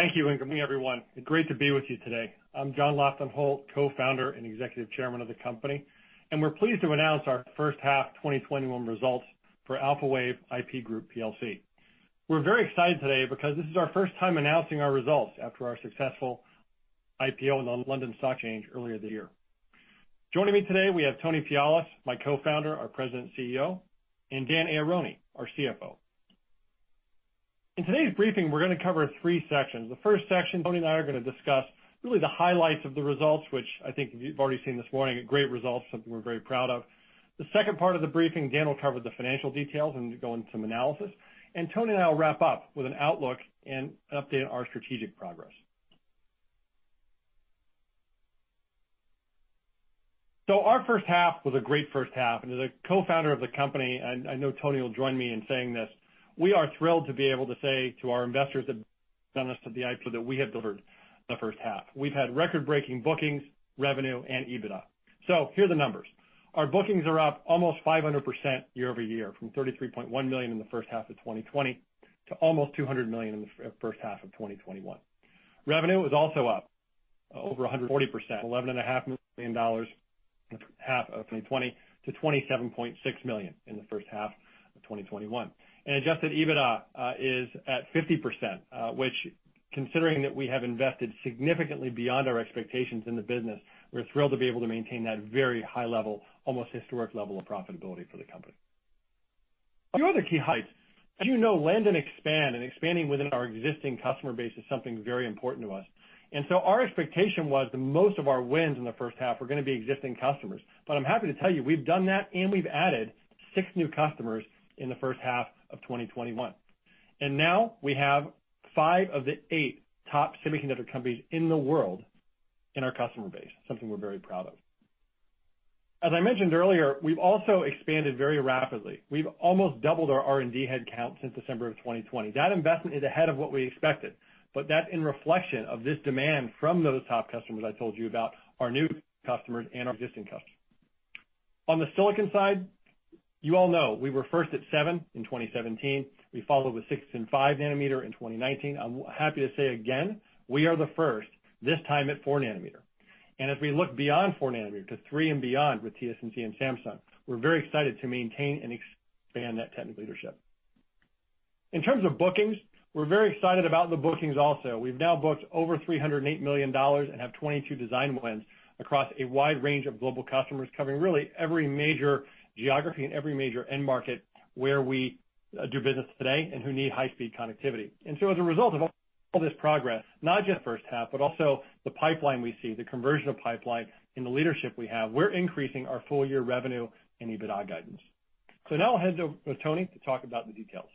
Thank you, good morning, everyone. Great to be with you today. I'm John Lofton Holt, Co-Founder and Executive Chairman of the company. We're pleased to announce our first half 2021 results for Alphawave IP Group Plc. We're very excited today because this is our first time announcing our results after our successful IPO on the London Stock Exchange earlier this year. Joining me today, we have Tony Pialis, my Co-Founder, our President and CEO, and Daniel Aharoni, our CFO. In today's briefing, we're going to cover three sections. The first section, Tony and I are going to discuss really the highlights of the results, which I think you've already seen this morning, great results, something we're very proud of. The second part of the briefing, Dan will cover the financial details and go into some analysis. Tony and I will wrap up with an outlook and an update on our strategic progress. Our first half was a great first half, and as a Co-Founder of the company, and I know Tony will join me in saying this, we are thrilled to be able to say to our investors that have done this to the IPO that we have delivered the first half. We've had record-breaking bookings, revenue, and EBITDA. Here are the numbers. Our bookings are up almost 500% year-over-year, from $33.1 million in the first half of 2020 to almost $200 million in the first half of 2021. Revenue was also up over 140%, $11.5 million in the first half of 2020 to $27.6 million in the first half of 2021. Adjusted EBITDA is at 50%, which, considering that we have invested significantly beyond our expectations in the business, we're thrilled to be able to maintain that very high level, almost historic level of profitability for the company. A few other key highlights. As you know, land and expand, and expanding within our existing customer base is something very important to us. Our expectation was that most of our wins in the first half were going to be existing customers. I'm happy to tell you we've done that, and we've added six new customers in the first half of 2021. Now we have five of the eight top semiconductor companies in the world in our customer base, something we're very proud of. As I mentioned earlier, we've also expanded very rapidly. We've almost doubled our R&D headcount since December of 2020. That investment is ahead of what we expected, but that's in reflection of this demand from those top customers I told you about, our new customers and our existing customers. On the Silicon side, you all know we were first at 7 nm in 2017. We followed with 6 nm and 5 nm in 2019. I'm happy to say again, we are the first, this time at 4 nm. As we look beyond 4 nm to 3 nm and beyond with TSMC and Samsung, we're very excited to maintain and expand that technical leadership. In terms of bookings, we're very excited about the bookings also. We've now booked over $308 million and have 22 design wins across a wide range of global customers, covering really every major geography and every major end market where we do business today and who need high-speed connectivity. As a result of all this progress, not just the first half, but also the pipeline we see, the conversion of pipeline, and the leadership we have, we're increasing our full-year revenue and EBITDA guidance. Now I'll hand it over to Tony to talk about the details.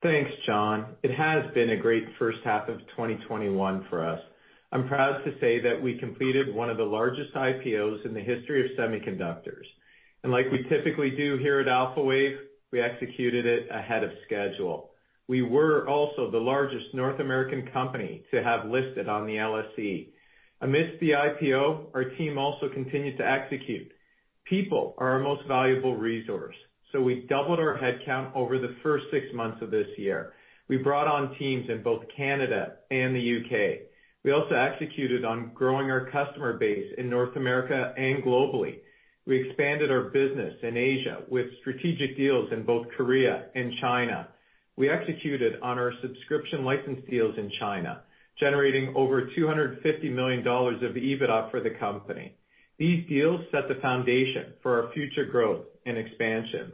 Thanks, John. It has been a great first half of 2021 for us. I'm proud to say that we completed one of the largest IPOs in the history of semiconductors. Like we typically do here at Alphawave, we executed it ahead of schedule. We were also the largest North American company to have listed on the LSE. Amidst the IPO, our team also continued to execute. People are our most valuable resource, so we doubled our headcount over the first six months of this year. We brought on teams in both Canada and the U.K. We also executed on growing our customer base in North America and globally. We expanded our business in Asia with strategic deals in both Korea and China. We executed on our subscription license deals in China, generating over $250 million of EBITDA for the company. These deals set the foundation for our future growth and expansion.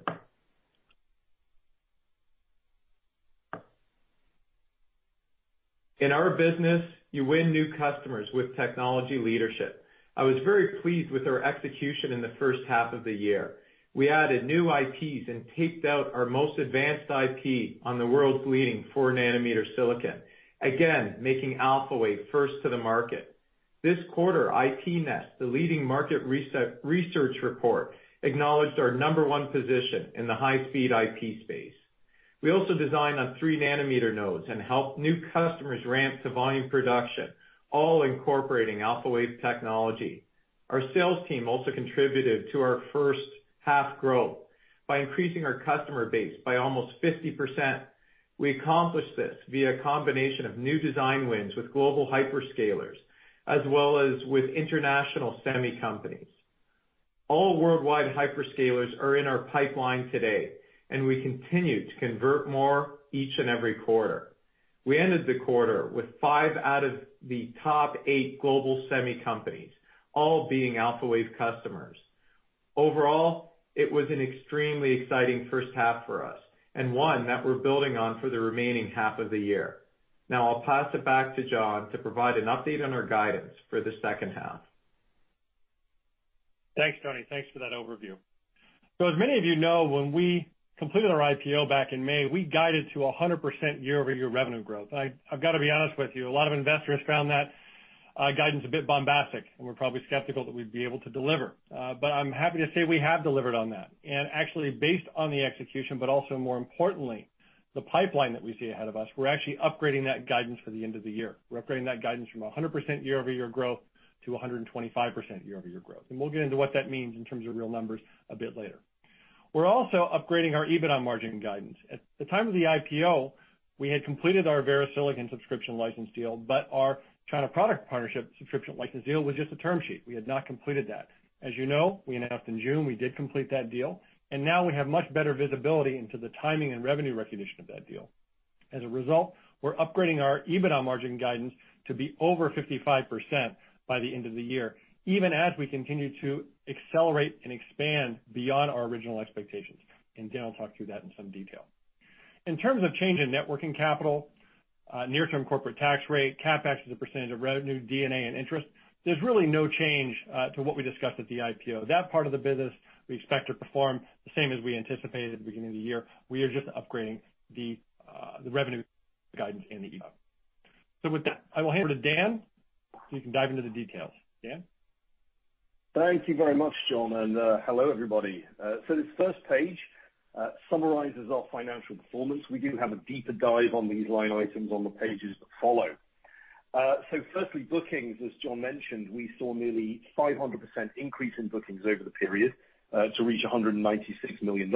In our business, you win new customers with technology leadership. I was very pleased with our execution in the first half of the year. We added new IPs and taped out our most advanced IP on the world's leading 4 nm silicon, again, making Alphawave first to the market. This quarter, IPnest, the leading market research report, acknowledged our number one position in the high-speed IP space. We also designed on 3 nm nodes and helped new customers ramp to volume production, all incorporating Alphawave technology. Our sales team also contributed to our first half growth by increasing our customer base by almost 50%. We accomplished this via a combination of new design wins with global hyperscalers, as well as with international semi companies. All worldwide hyperscalers are in our pipeline today, and we continue to convert more each and every quarter. We ended the quarter with five out of the top eight global semi companies, all being Alphawave customers. Overall, it was an extremely exciting first half for us and one that we're building on for the remaining half of the year. I'll pass it back to John to provide an update on our guidance for the second half. Thanks, Tony. Thanks for that overview. As many of you know, when we completed our IPO back in May, we guided to 100% year-over-year revenue growth. I've got to be honest with you, a lot of investors found that guidance a bit bombastic and were probably skeptical that we'd be able to deliver. I'm happy to say we have delivered on that. Actually, based on the execution, but also more importantly, the pipeline that we see ahead of us, we're actually upgrading that guidance for the end of the year. We're upgrading that guidance from 100% year-over-year growth to 125% year-over-year growth. We'll get into what that means in terms of real numbers a bit later. We're also upgrading our EBITDA margin guidance. At the time of the IPO, we had completed our VeriSilicon subscription license deal, but our China product partnership subscription license deal was just a term sheet. We had not completed that. As you know, we announced in June, we did complete that deal, and now we have much better visibility into the timing and revenue recognition of that deal. As a result, we're upgrading our EBITDA margin guidance to be over 55% by the end of the year, even as we continue to accelerate and expand beyond our original expectations. Dan will talk through that in some detail. In terms of change in networking capital, near-term corporate tax rate, CapEx as a percentage of revenue, D&A, and interest, there's really no change to what we discussed at the IPO. That part of the business we expect to perform the same as we anticipated at the beginning of the year. We are just upgrading the revenue guidance and the EBITDA. With that, I will hand over to Dan, so he can dive into the details. Dan? Thank you very much, John, and hello, everybody. This first page summarizes our financial performance. We do have a deeper dive on these line items on the pages that follow. Firstly, bookings, as John mentioned, we saw nearly 500% increase in bookings over the period to reach $196 million.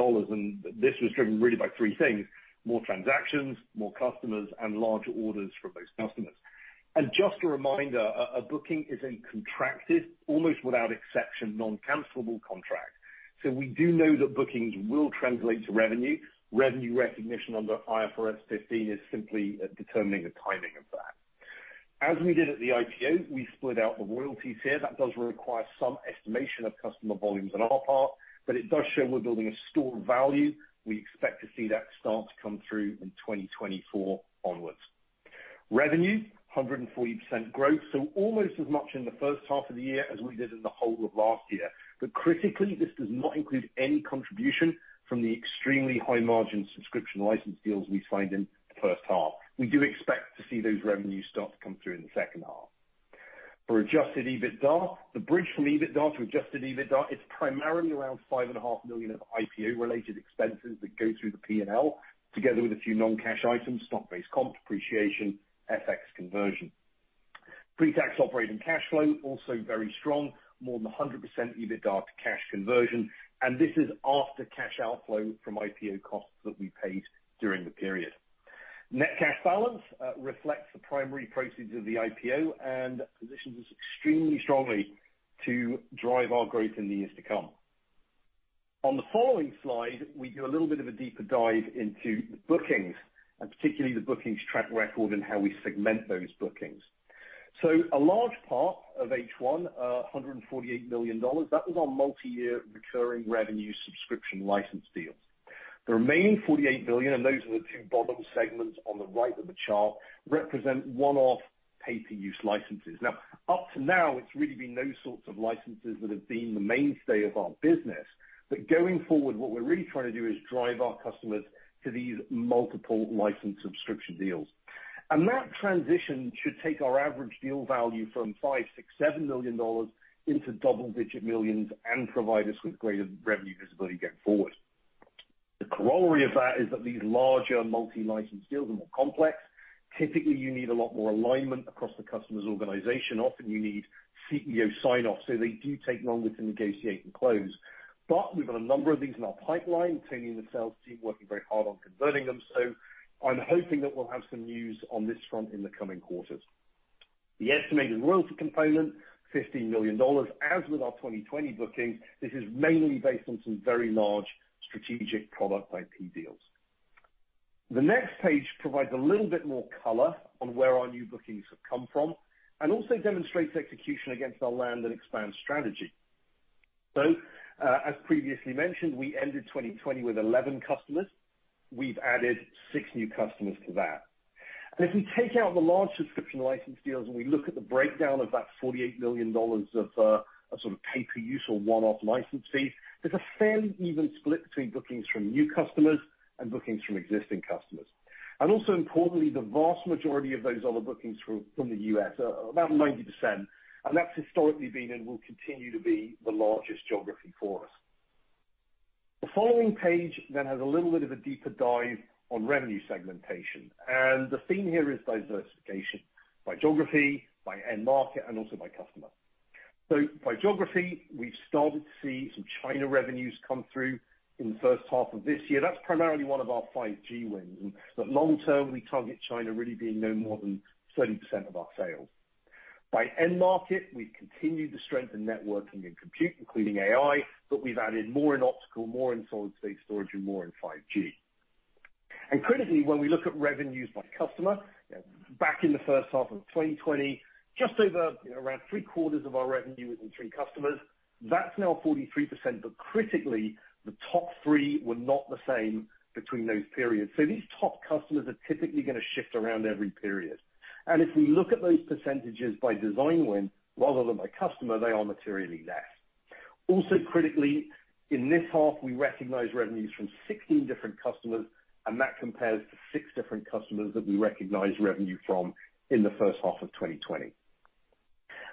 This was driven really by three things, more transactions, more customers, and larger orders from those customers. Just a reminder, a booking is a contracted, almost without exception, non-cancelable contract. We do know that bookings will translate to revenue. Revenue recognition under IFRS 15 is simply determining the timing of that. As we did at the IPO, we split out the royalties here. That does require some estimation of customer volumes on our part, but it does show we're building a stored value. We expect to see that start to come through in 2024 onwards. Revenue, 140% growth, so almost as much in the first half of the year as we did in the whole of last year. Critically, this does not include any contribution from the extremely high-margin subscription license deals we signed in the first half. We do expect to see those revenues start to come through in the second half. For adjusted EBITDA, the bridge from EBITDA to adjusted EBITDA, it's primarily around $5.5 million of IPO-related expenses that go through the P&L, together with a few non-cash items, stock-based comp, depreciation, FX conversion. Pre-tax operating cash flow, also very strong, more than 100% EBITDA to cash conversion, and this is after cash outflow from IPO costs that we paid during the period. Net cash balance reflects the primary proceeds of the IPO and positions us extremely strongly to drive our growth in the years to come. On the following slide, we do a little bit of a deeper dive into the bookings, and particularly the bookings track record and how we segment those bookings. A large part of H1, $148 million, that was our multi-year recurring revenue subscription license deal. The remaining $48 million, and those are the two bottom segments on the right of the chart, represent one-off pay-per-use licenses. Up to now, it's really been those sorts of licenses that have been the mainstay of our business. Going forward, what we're really trying to do is drive our customers to these multiple license subscription deals. That transition should take our average deal value from $5 million to $7 million into double-digit millions and provide us with greater revenue visibility going forward. The corollary of that is that these larger multi-license deals are more complex. Typically, you need a lot more alignment across the customer's organization. Often, you need CEO sign-off. They do take longer to negotiate and close. We've got a number of these in our pipeline, the team working very hard on converting them. I'm hoping that we'll have some news on this front in the coming quarters. The estimated royalty component, $15 million. As with our 2020 booking, this is mainly based on some very large strategic product IP deals. The next page provides a little bit more color on where our new bookings have come from and also demonstrates execution against our Land and Expand strategy. As previously mentioned, we ended 2020 with 11 customers. We've added six new customers to that. If we take out the large subscription license deals and we look at the breakdown of that $48 million of pay-per-use or one-off license fees, there's a fairly even split between bookings from new customers and bookings from existing customers. Also importantly, the vast majority of those other bookings are from the U.S., about 90%, and that's historically been and will continue to be the largest geography for us. The following page has a little bit of a deeper dive on revenue segmentation. The theme here is diversification by geography, by end market, and also by customer. By geography, we've started to see some China revenues come through in the first half of this year. That's primarily one of our 5G wins. Long term, we target China really being no more than 30% of our sales. By end market, we continue to strengthen networking and compute, including AI, but we've added more in optical, more in solid state storage, and more in 5G. Critically, when we look at revenues by customer, back in the first half of 2020, just over around 3/4 of our revenue was in three customers. That's now 43%, but critically, the top three were not the same between those periods. These top customers are typically going to shift around every period. If we look at those percentages by design win rather than by customer, they are materially less. Critically, in this half, we recognized revenues from 16 different customers, and that compares to six different customers that we recognized revenue from in the first half of 2020.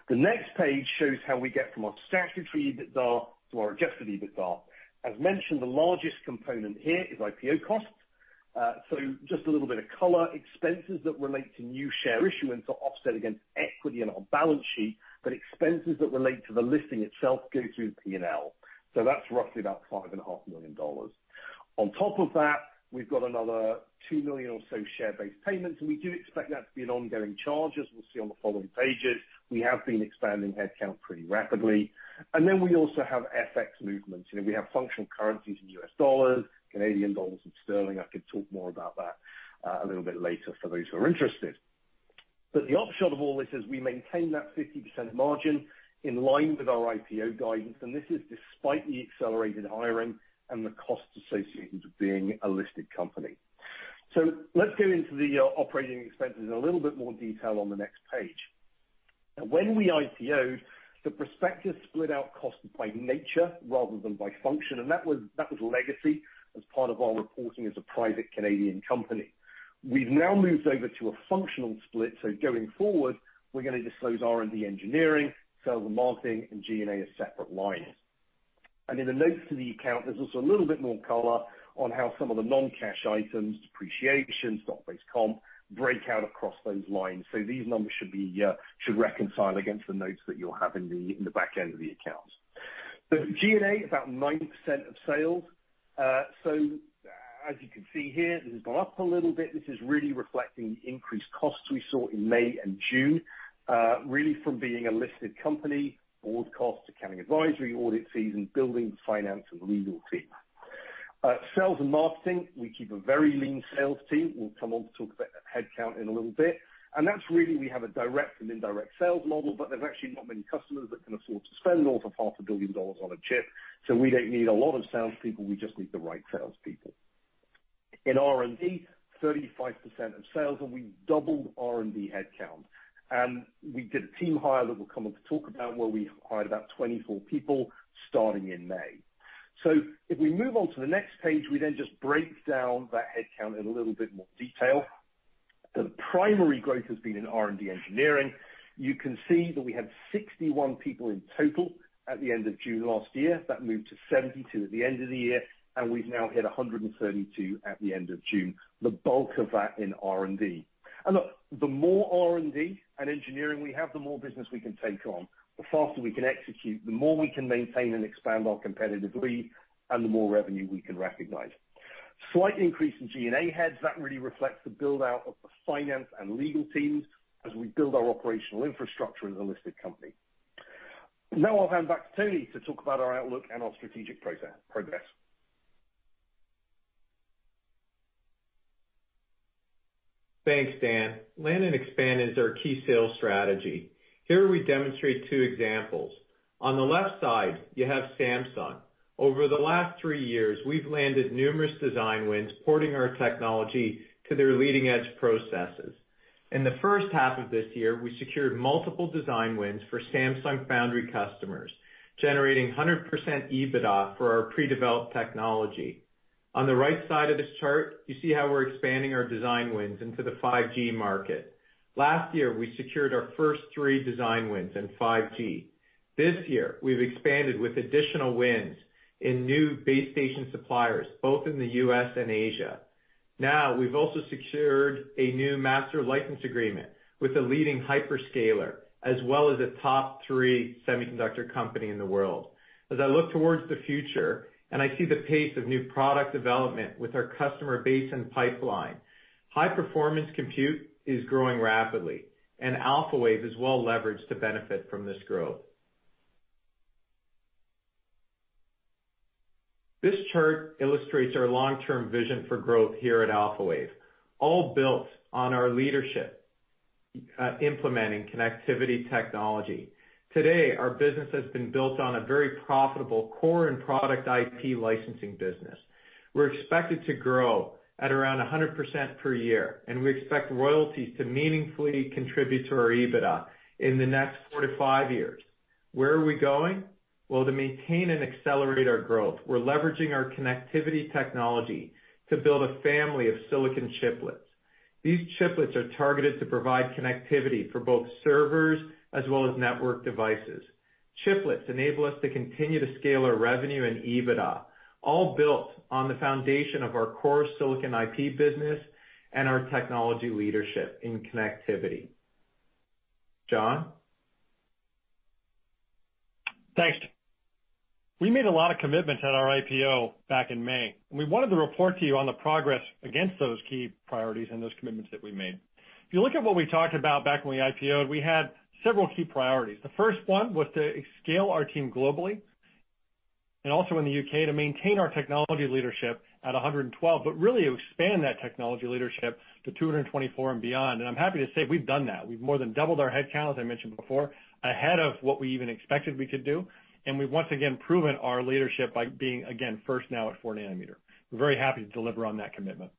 The next page shows how we get from our statutory EBITDA to our adjusted EBITDA. As mentioned, the largest component here is IPO cost. Just a little bit of color. Expenses that relate to new share issuance are offset against equity in our balance sheet, but expenses that relate to the listing itself go through the P&L. That's roughly about $5.5 million. On top of that, we've got another $2 million or so share-based payments, and we do expect that to be an ongoing charge, as we'll see on the following pages. We have been expanding headcount pretty rapidly. We also have FX movements. We have functional currencies in US dollars, Canadian dollars and sterling. I could talk more about that a little bit later for those who are interested. The upshot of all this is we maintain that 50% margin in line with our IPO guidance, and this is despite the accelerated hiring and the costs associated with being a listed company. Let's go into the operating expenses in a little bit more detail on the next page. When we IPO'd, the prospectus split out costs by nature rather than by function, and that was legacy as part of our reporting as a private Canadian company. We've now moved over to a functional split. Going forward, we're going to disclose R&D engineering, sales and marketing, and G&A as separate lines. In the notes to the account, there's also a little bit more color on how some of the non-cash items, depreciation, stock-based comp, break out across those lines. These numbers should reconcile against the notes that you'll have in the back end of the accounts. G&A, about 90% of sales. As you can see here, this has gone up a little bit. This is really reflecting the increased costs we saw in May and June, really from being a listed company, board costs, accounting advisory, audit fees, and building the finance and legal team. Sales and marketing, we keep a very lean sales team. We'll come on to talk about headcount in a little bit. That's really, we have a direct and indirect sales model, but there's actually not many customers that can afford to spend north of half a billion dollars on a chip. We don't need a lot of salespeople, we just need the right salespeople. In R&D, 35% of sales, and we doubled R&D headcount. We did a team hire that we'll come up to talk about, where we hired about 24 people starting in May. If we move on to the next page, we just break down that headcount in a little bit more detail. The primary growth has been in R&D engineering. You can see that we had 61 people in total at the end of June last year. That moved to 72 at the end of the year, and we've now hit 132 at the end of June, the bulk of that in R&D. Look, the more R&D and engineering we have, the more business we can take on, the faster we can execute, the more we can maintain and expand our competitive lead, and the more revenue we can recognize. Slight increase in G&A heads. That really reflects the build-out of the finance and legal teams as we build our operational infrastructure as a listed company. Now I'll hand back to Tony to talk about our outlook and our strategic progress. Thanks, Dan. Land and Expand is our key sales strategy. Here we demonstrate two examples. On the left side, you have Samsung. Over the last three years, we've landed numerous design wins porting our technology to their leading-edge processes. In the first half of this year, we secured multiple design wins for Samsung Foundry customers, generating 100% EBITDA for our pre-developed technology. On the right side of this chart, you see how we're expanding our design wins into the 5G market. Last year, we secured our first three design wins in 5G. This year, we've expanded with additional wins in new base station suppliers, both in the U.S. and Asia. We've also secured a new master license agreement with a leading hyperscaler, as well as a top three semiconductor company in the world. As I look towards the future and I see the pace of new product development with our customer base and pipeline, high-performance compute is growing rapidly, and Alphawave is well leveraged to benefit from this growth. This chart illustrates our long-term vision for growth here at Alphawave, all built on our leadership implementing connectivity technology. Today, our business has been built on a very profitable core and product IP licensing business. We're expected to grow at around 100% per year, and we expect royalties to meaningfully contribute to our EBITDA in the next four years-five years. Where are we going? Well, to maintain and accelerate our growth, we're leveraging our connectivity technology to build a family of silicon chiplets. These chiplets are targeted to provide connectivity for both servers as well as network devices. Chiplets enable us to continue to scale our revenue and EBITDA, all built on the foundation of our core Silicon IP business and our technology leadership in connectivity. John? Thanks. We made a lot of commitments at our IPO back in May. We wanted to report to you on the progress against those key priorities and those commitments that we made. If you look at what we talked about back when we IPO'd, we had several key priorities. The first one was to scale our team globally and also in the U.K. to maintain our technology leadership at 112, really expand that technology leadership to 224 and beyond. I'm happy to say we've done that. We've more than doubled our headcount, as I mentioned before, ahead of what we even expected we could do. We've once again proven our leadership by being, again, first now at 4 nm. We're very happy to deliver on that commitment.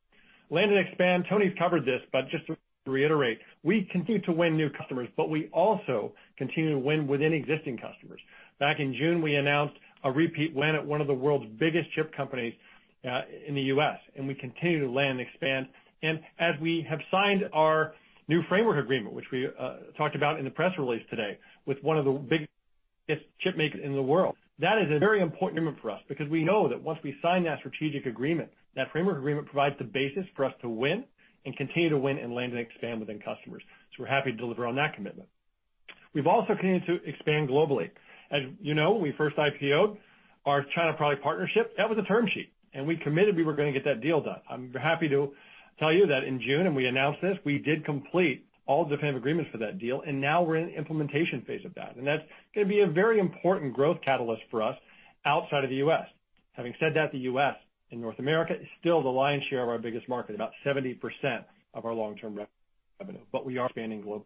Land and Expand, Tony's covered this, but just to reiterate, we continue to win new customers, but we also continue to win within existing customers. Back in June, we announced a repeat win at one of the world's biggest chip companies, in the U.S., and we continue to land and expand. As we have signed our new framework agreement, which we talked about in the press release today with one of the biggest chipmaker in the world. That is a very important moment for us because we know that once we sign that strategic agreement, that framework agreement provides the basis for us to win and continue to win and land and expand within customers. We're happy to deliver on that commitment. We've also continued to expand globally. As you know, we first IPO'd our China product partnership. That was a term sheet, and we committed we were going to get that deal done. I'm happy to tell you that in June, and we announced this, we did complete all the definitive agreements for that deal, and now we're in the implementation phase of that. That's going to be a very important growth catalyst for us outside of the U.S. Having said that, the U.S. and North America is still the lion's share of our biggest market, about 70% of our long-term revenue. We are expanding globally.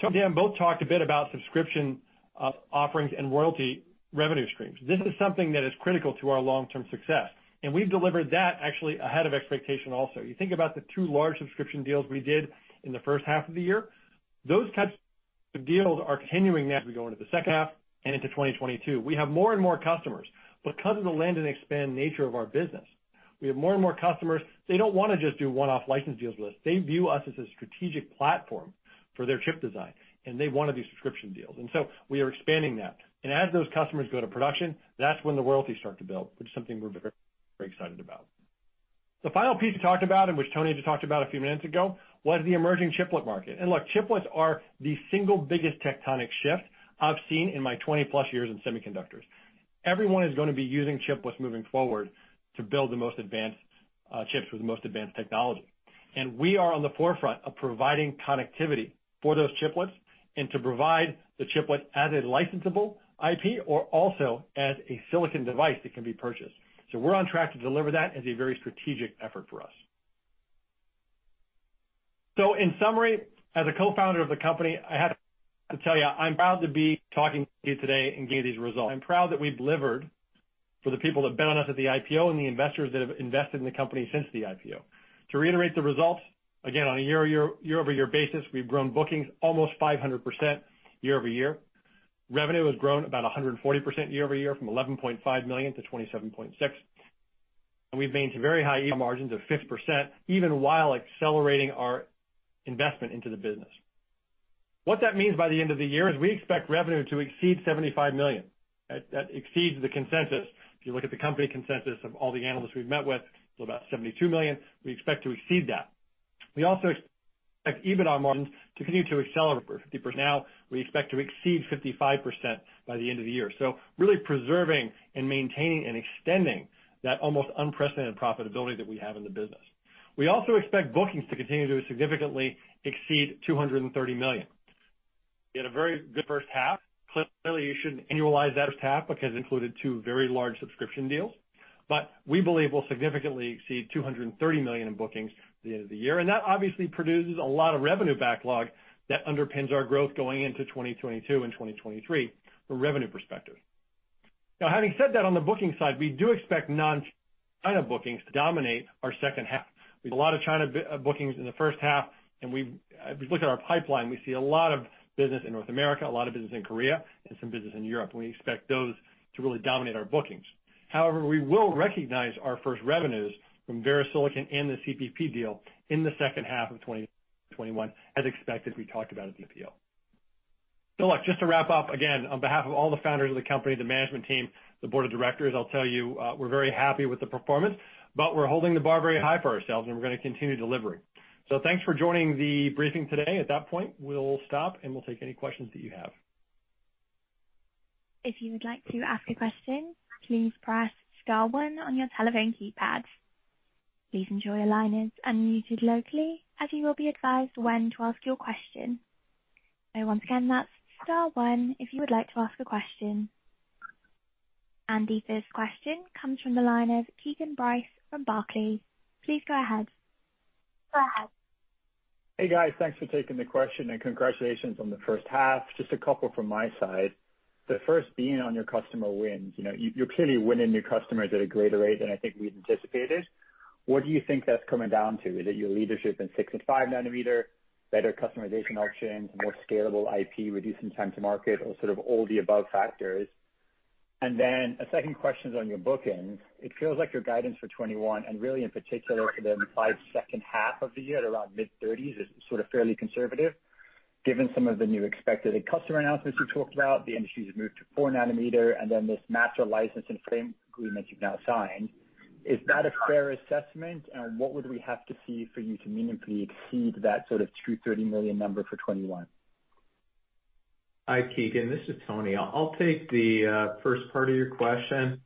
Tony and I both talked a bit about subscription offerings and royalty revenue streams. This is something that is critical to our long-term success, and we've delivered that actually ahead of expectation also. You think about the two large subscription deals we did in the first half of the year. Those types of deals are continuing as we go into the second half and into 2022. We have more and more customers. Because of the Land and Expand nature of our business, we have more and more customers, they don't want to just do one-off license deals with us. They view us as a strategic platform for their chip design, they wanted these subscription deals. We are expanding that. As those customers go to production, that's when the royalties start to build, which is something we're very excited about. The final piece we talked about, and which Tony just talked about a few minutes ago, was the emerging chiplet market. Look, chiplets are the single biggest tectonic shift I've seen in my 20+ years in semiconductors. Everyone is going to be using chiplets moving forward to build the most advanced chips with the most advanced technology. We are on the forefront of providing connectivity for those chiplets and to provide the chiplet as a licensable IP or also as a silicon device that can be purchased. We're on track to deliver that as a very strategic effort for us. In summary, as a Co-Founder of the company, I have to tell you, I'm proud to be talking to you today and giving these results. I'm proud that we've delivered for the people that bet on us at the IPO and the investors that have invested in the company since the IPO. To reiterate the results, again, on a year-over-year basis, we've grown bookings almost 500% year-over-year. Revenue has grown about 140% year-over-year from $11.5 million to $27.6 million. We've maintained very high EBITDA margins of 50%, even while accelerating our investment into the business. What that means by the end of the year is we expect revenue to exceed $75 million. That exceeds the consensus. If you look at the company consensus of all the analysts we've met with, so about $72 million, we expect to exceed that. We also expect EBITDA margins to continue to accelerate for 50% now. We expect to exceed 55% by the end of the year. Really preserving and maintaining and extending that almost unprecedented profitability that we have in the business. We also expect bookings to continue to significantly exceed $230 million. We had a very good first half. Clearly, you shouldn't annualize that first half because it included two very large subscription deals. We believe we'll significantly exceed $230 million in bookings at the end of the year. That obviously produces a lot of revenue backlog that underpins our growth going into 2022 and 2023 from a revenue perspective. Having said that, on the booking side, we do expect non-China bookings to dominate our second half. We have a lot of China bookings in the first half. As we look at our pipeline, we see a lot of business in North America, a lot of business in Korea, and some business in Europe. We expect those to really dominate our bookings. However, we will recognize our first revenues from VeriSilicon and the CPP deal in the second half of 2021, as expected, we talked about at the IPO. Look, just to wrap up, again, on behalf of all the founders of the company, the management team, the Board of Directors, I'll tell you, we're very happy with the performance, but we're holding the bar very high for ourselves, and we're going to continue delivering. Thanks for joining the briefing today. At that point, we'll stop, and we'll take any questions that you have. If you'd like to ask a question please press star one on your telephone keypad. Please ensure your line is unmuted locally as you will be advised when to ask your question. Once again star one if you'd like to ask a question. And the first question comes from the line of Keagan Bryce from Barclays. Please go ahead. Hey, guys. Thanks for taking the question and congratulations on the first half. Just a couple from my side. The first being on your customer wins. You are clearly winning new customers at a greater rate than I think we had anticipated. What do you think that is coming down to? Is it your leadership in 6 nm and 5 nm, better customization options, more scalable IP, reducing time to market, or sort of all the above factors? A second question is on your bookings. It feels like your guidance for 2021, and really in particular for the implied second half of the year at around mid- $230 million is sort of fairly conservative, given some of the new expected customer announcements you talked about, the industry's move to 4 nm, this master license and frame agreement you have now signed. Is that a fair assessment? What would we have to see for you to meaningfully exceed that sort of $230 million number for 2021? Hi, Keagan. This is Tony. I'll take the first part of your question,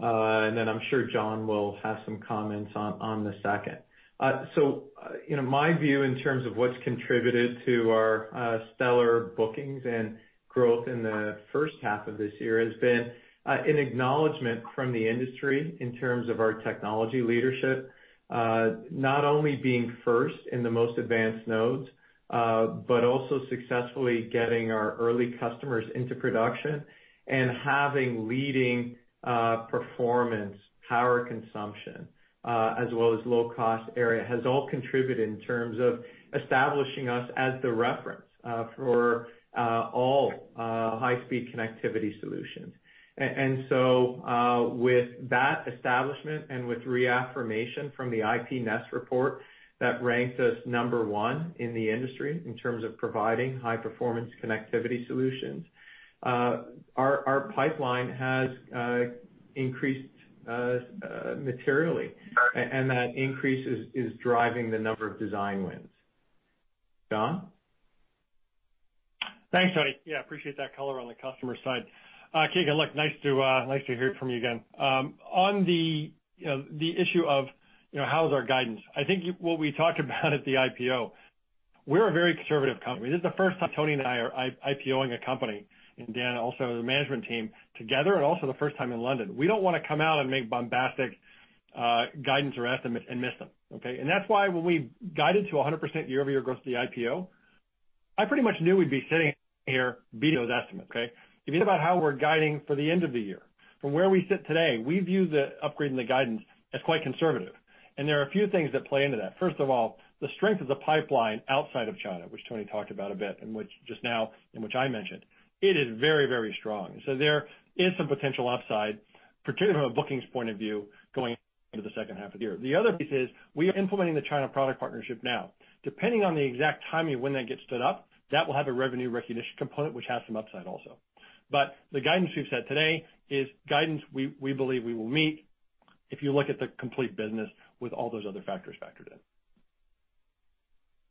and then I'm sure John will have some comments on the second. My view in terms of what's contributed to our stellar bookings and growth in the first half of this year has been an acknowledgment from the industry in terms of our technology leadership, not only being first in the most advanced nodes, but also successfully getting our early customers into production and having leading performance, power consumption, as well as low cost area, has all contributed in terms of establishing us as the reference for all high-speed connectivity solutions. With that establishment and with reaffirmation from the IPnest report that ranked us number one in the industry in terms of providing high performance connectivity solutions, our pipeline has increased materially, and that increase is driving the number of design wins. John? Thanks, Tony. Appreciate that color on the customer side. Keagan, look, nice to hear from you again. On the issue of how's our guidance, I think what we talked about at the IPO, we're a very conservative company. This is the first time Tony and I are IPO-ing a company, and Dan also, the management team together, and also the first time in London. We don't want to come out and make bombastic guidance or estimates and miss them. That's why when we guided to 100% year-over-year gross the IPO, I pretty much knew we'd be sitting here beating those estimates. If you think about how we're guiding for the end of the year, from where we sit today, we view the upgrade in the guidance as quite conservative, and there are a few things that play into that. First of all, the strength of the pipeline outside of China, which Tony talked about a bit, and which just now, and which I mentioned, it is very, very strong. There is some potential upside, particularly from a bookings point of view, going into the second half of the year. The other piece is we are implementing the China product partnership now. Depending on the exact timing of when that gets stood up, that will have a revenue recognition component, which has some upside also. The guidance we've set today is guidance we believe we will meet if you look at the complete business with all those other factors factored in.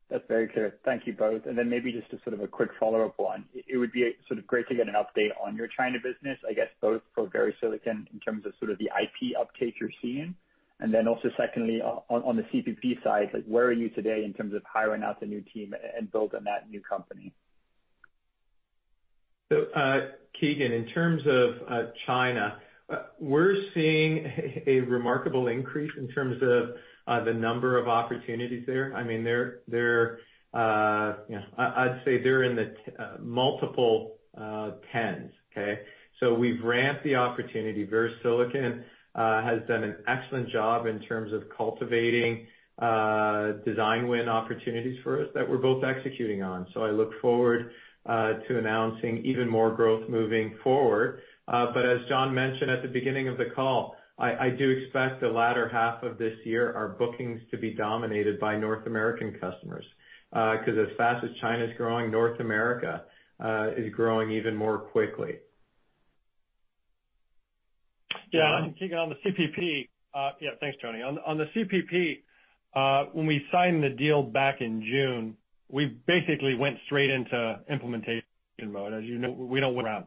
That's very clear. Thank you both. Then maybe just a sort of a quick follow-up. It would be great to get an update on your China business, I guess both for VeriSilicon in terms of sort of the IP uptake you're seeing, then also secondly on the CPP side, where are you today in terms of hiring out the new team and build on that new company? Keagan, in terms of China, we're seeing a remarkable increase in terms of the number of opportunities there. I'd say they're in the multiple 10s, okay? We've ramped the opportunity. VeriSilicon has done an excellent job in terms of cultivating design win opportunities for us that we're both executing on. I look forward to announcing even more growth moving forward. As John mentioned at the beginning of the call, I do expect the latter half of this year, our bookings to be dominated by North American customers. Because as fast as China's growing, North America is growing even more quickly. Yeah. Keagan, on the CPP, yeah, thanks, Tony. On the CPP, when we signed the deal back in June, we basically went straight into implementation mode. As you know, we don't wait around.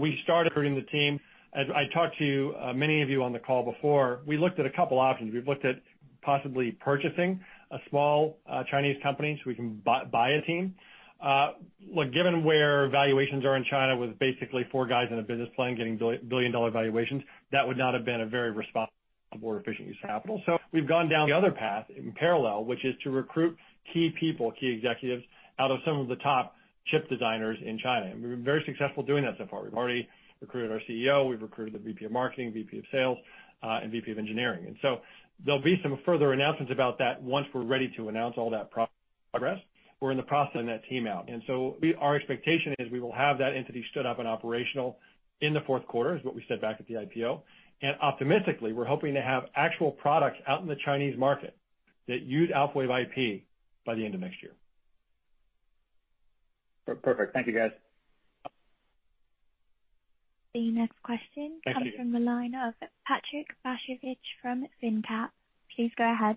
We started recruiting the team. As I talked to many of you on the call before, we looked at a couple options. We've looked at possibly purchasing a small Chinese company so we can buy a team. Given where valuations are in China with basically four guys and a business plan getting billion-dollar valuations, that would not have been a very responsible or efficient use of capital. We've gone down the other path in parallel, which is to recruit key people, key executives out of some of the top chip designers in China, and we've been very successful doing that so far. We've already recruited our CEO, we've recruited the VP of Marketing, VP of Sales, and VP of Engineering. There'll be some further announcements about that once we're ready to announce all that progress. We're in the process of that team out. Our expectation is we will have that entity stood up and operational in the fourth quarter, is what we said back at the IPO. Optimistically, we're hoping to have actual products out in the Chinese market that use Alphawave IP by the end of next year. Perfect. Thank you, guys. The next question. Thank you. comes from the line of Patrick Basiewicz from finnCap. Please go ahead.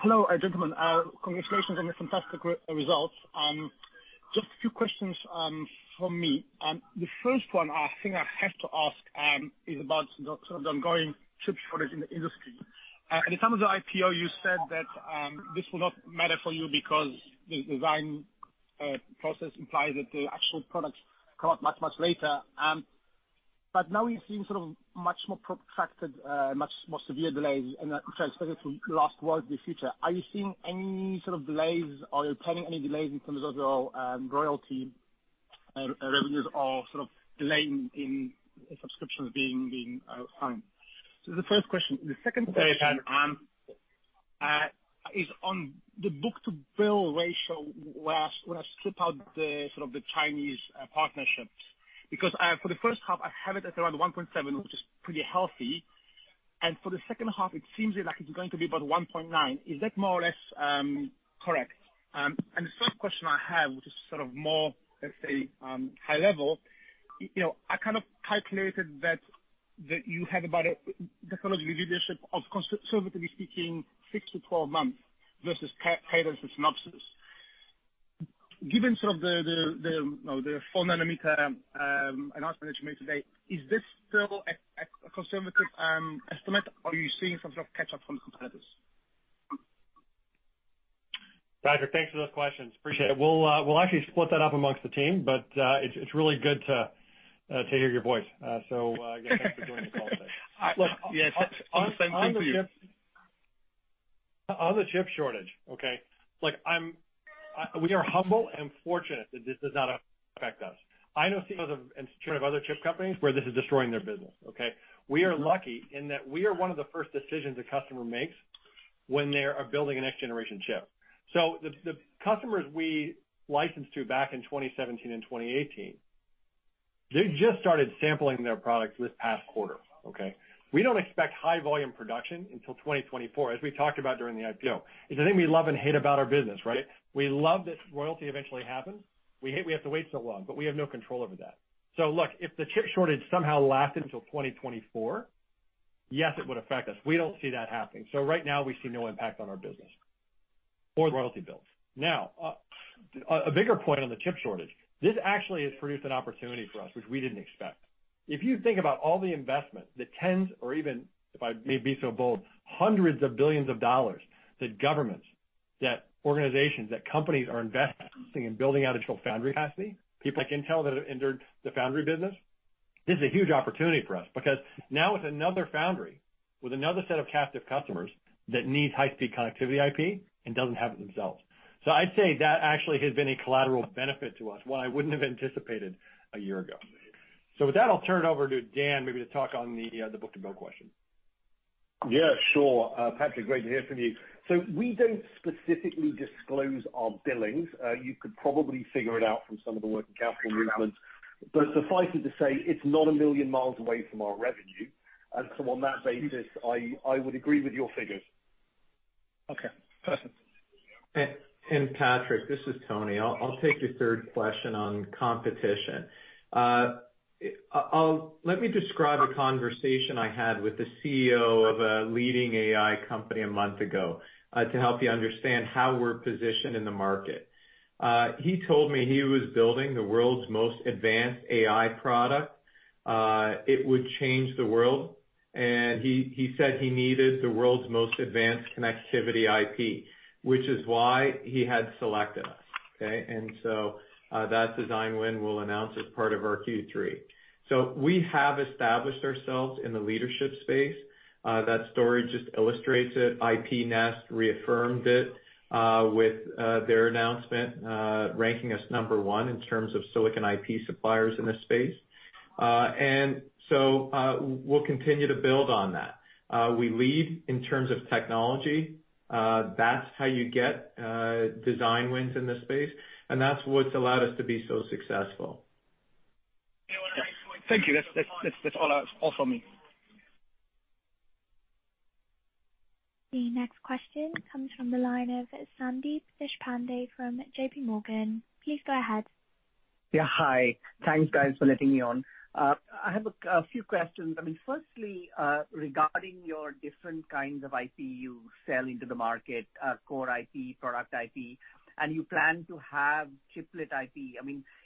Hello, gentlemen. Congratulations on your fantastic results. Just a few questions from me. The first one I think I have to ask is about sort of the ongoing chip shortage in the industry. At the time of the IPO, you said that this will not matter for you because the design process implies that the actual products come out much, much later. Now we've seen sort of much more protracted, much more severe delays, and which I expect it to last well in the future. Are you seeing any sort of delays? Are you planning any delays in terms of royalty revenues or sort of delay in subscriptions being signed? That's the first question. The second question is on the book-to-bill ratio when I strip out the sort of the Chinese partnerships. For the first half, I have it at around 1.7, which is pretty healthy. For the second half, it seems like it is going to be about 1.9. Is that more or less correct? The third question I have, which is sort of more, let's say high level. I kind of calculated that you have about a technological leadership of conservatively speaking, six to 12 months versus Cadence and Synopsys. Given sort of the 4 nm announcement that you made today, is this still a conservative estimate or are you seeing some sort of catch up from the competitors? Patrick, thanks for those questions. Appreciate it. We'll actually split that up amongst the team, but it's really good to hear your voice. Again, thanks for joining the call today. Yes. Same for you. On the chip shortage. We are humble and fortunate that this does not affect us. I know CEOs of and Chair of other chip companies where this is destroying their business. We are lucky in that we are one of the first decisions a customer makes when they are building a next generation chip. The customers we licensed to back in 2017 and 2018, they just started sampling their products this past quarter. We don't expect high volume production until 2024, as we talked about during the IPO. It's the thing we love and hate about our business. We love that royalty eventually happens. We hate we have to wait so long, but we have no control over that. Look, if the chip shortage somehow lasted until 2024. Yes, it would affect us. We don't see that happening. Right now we see no impact on our business or the royalty bills. A bigger point on the chip shortage. This actually has produced an opportunity for us, which we didn't expect. If you think about all the investment, the tens or even, if I may be so bold, hundreds of billions of dollars that governments, that organizations, that companies are investing in building out additional foundry capacity, people like Intel that have entered the foundry business, this is a huge opportunity for us. Now it's another foundry with another set of captive customers that need high-speed connectivity IP and doesn't have it themselves. I'd say that actually has been a collateral benefit to us, one I wouldn't have anticipated a year ago. With that, I'll turn it over to Dan maybe to talk on the book-to-bill question. Yeah, sure. Patrick, great to hear from you. We don't specifically disclose our billings. You could probably figure it out from some of the working capital movements, but suffice it to say, it's not a million miles away from our revenue. On that basis, I would agree with your figures. Okay, perfect. Patrick, this is Tony. I'll take your third question on competition. Let me describe a conversation I had with the CEO of a leading AI company a month ago, to help you understand how we're positioned in the market. He told me he was building the world's most advanced AI product. It would change the world, and he said he needed the world's most advanced connectivity IP, which is why he had selected us. Okay. That design win we'll announce as part of our Q3. We have established ourselves in the leadership space. That story just illustrates it. IPnest reaffirmed it, with their announcement, ranking us number one in terms of silicon IP suppliers in this space. We'll continue to build on that. We lead in terms of technology. That's how you get design wins in this space, and that's what's allowed us to be so successful. Thank you. That is all for me. The next question comes from the line of Sandeep Deshpande from JPMorgan. Please go ahead. Hi. Thanks, guys, for letting me on. I have a few questions. Firstly, regarding your different kinds of IP you sell into the market, core IP, product IP, and you plan to have chiplet IP.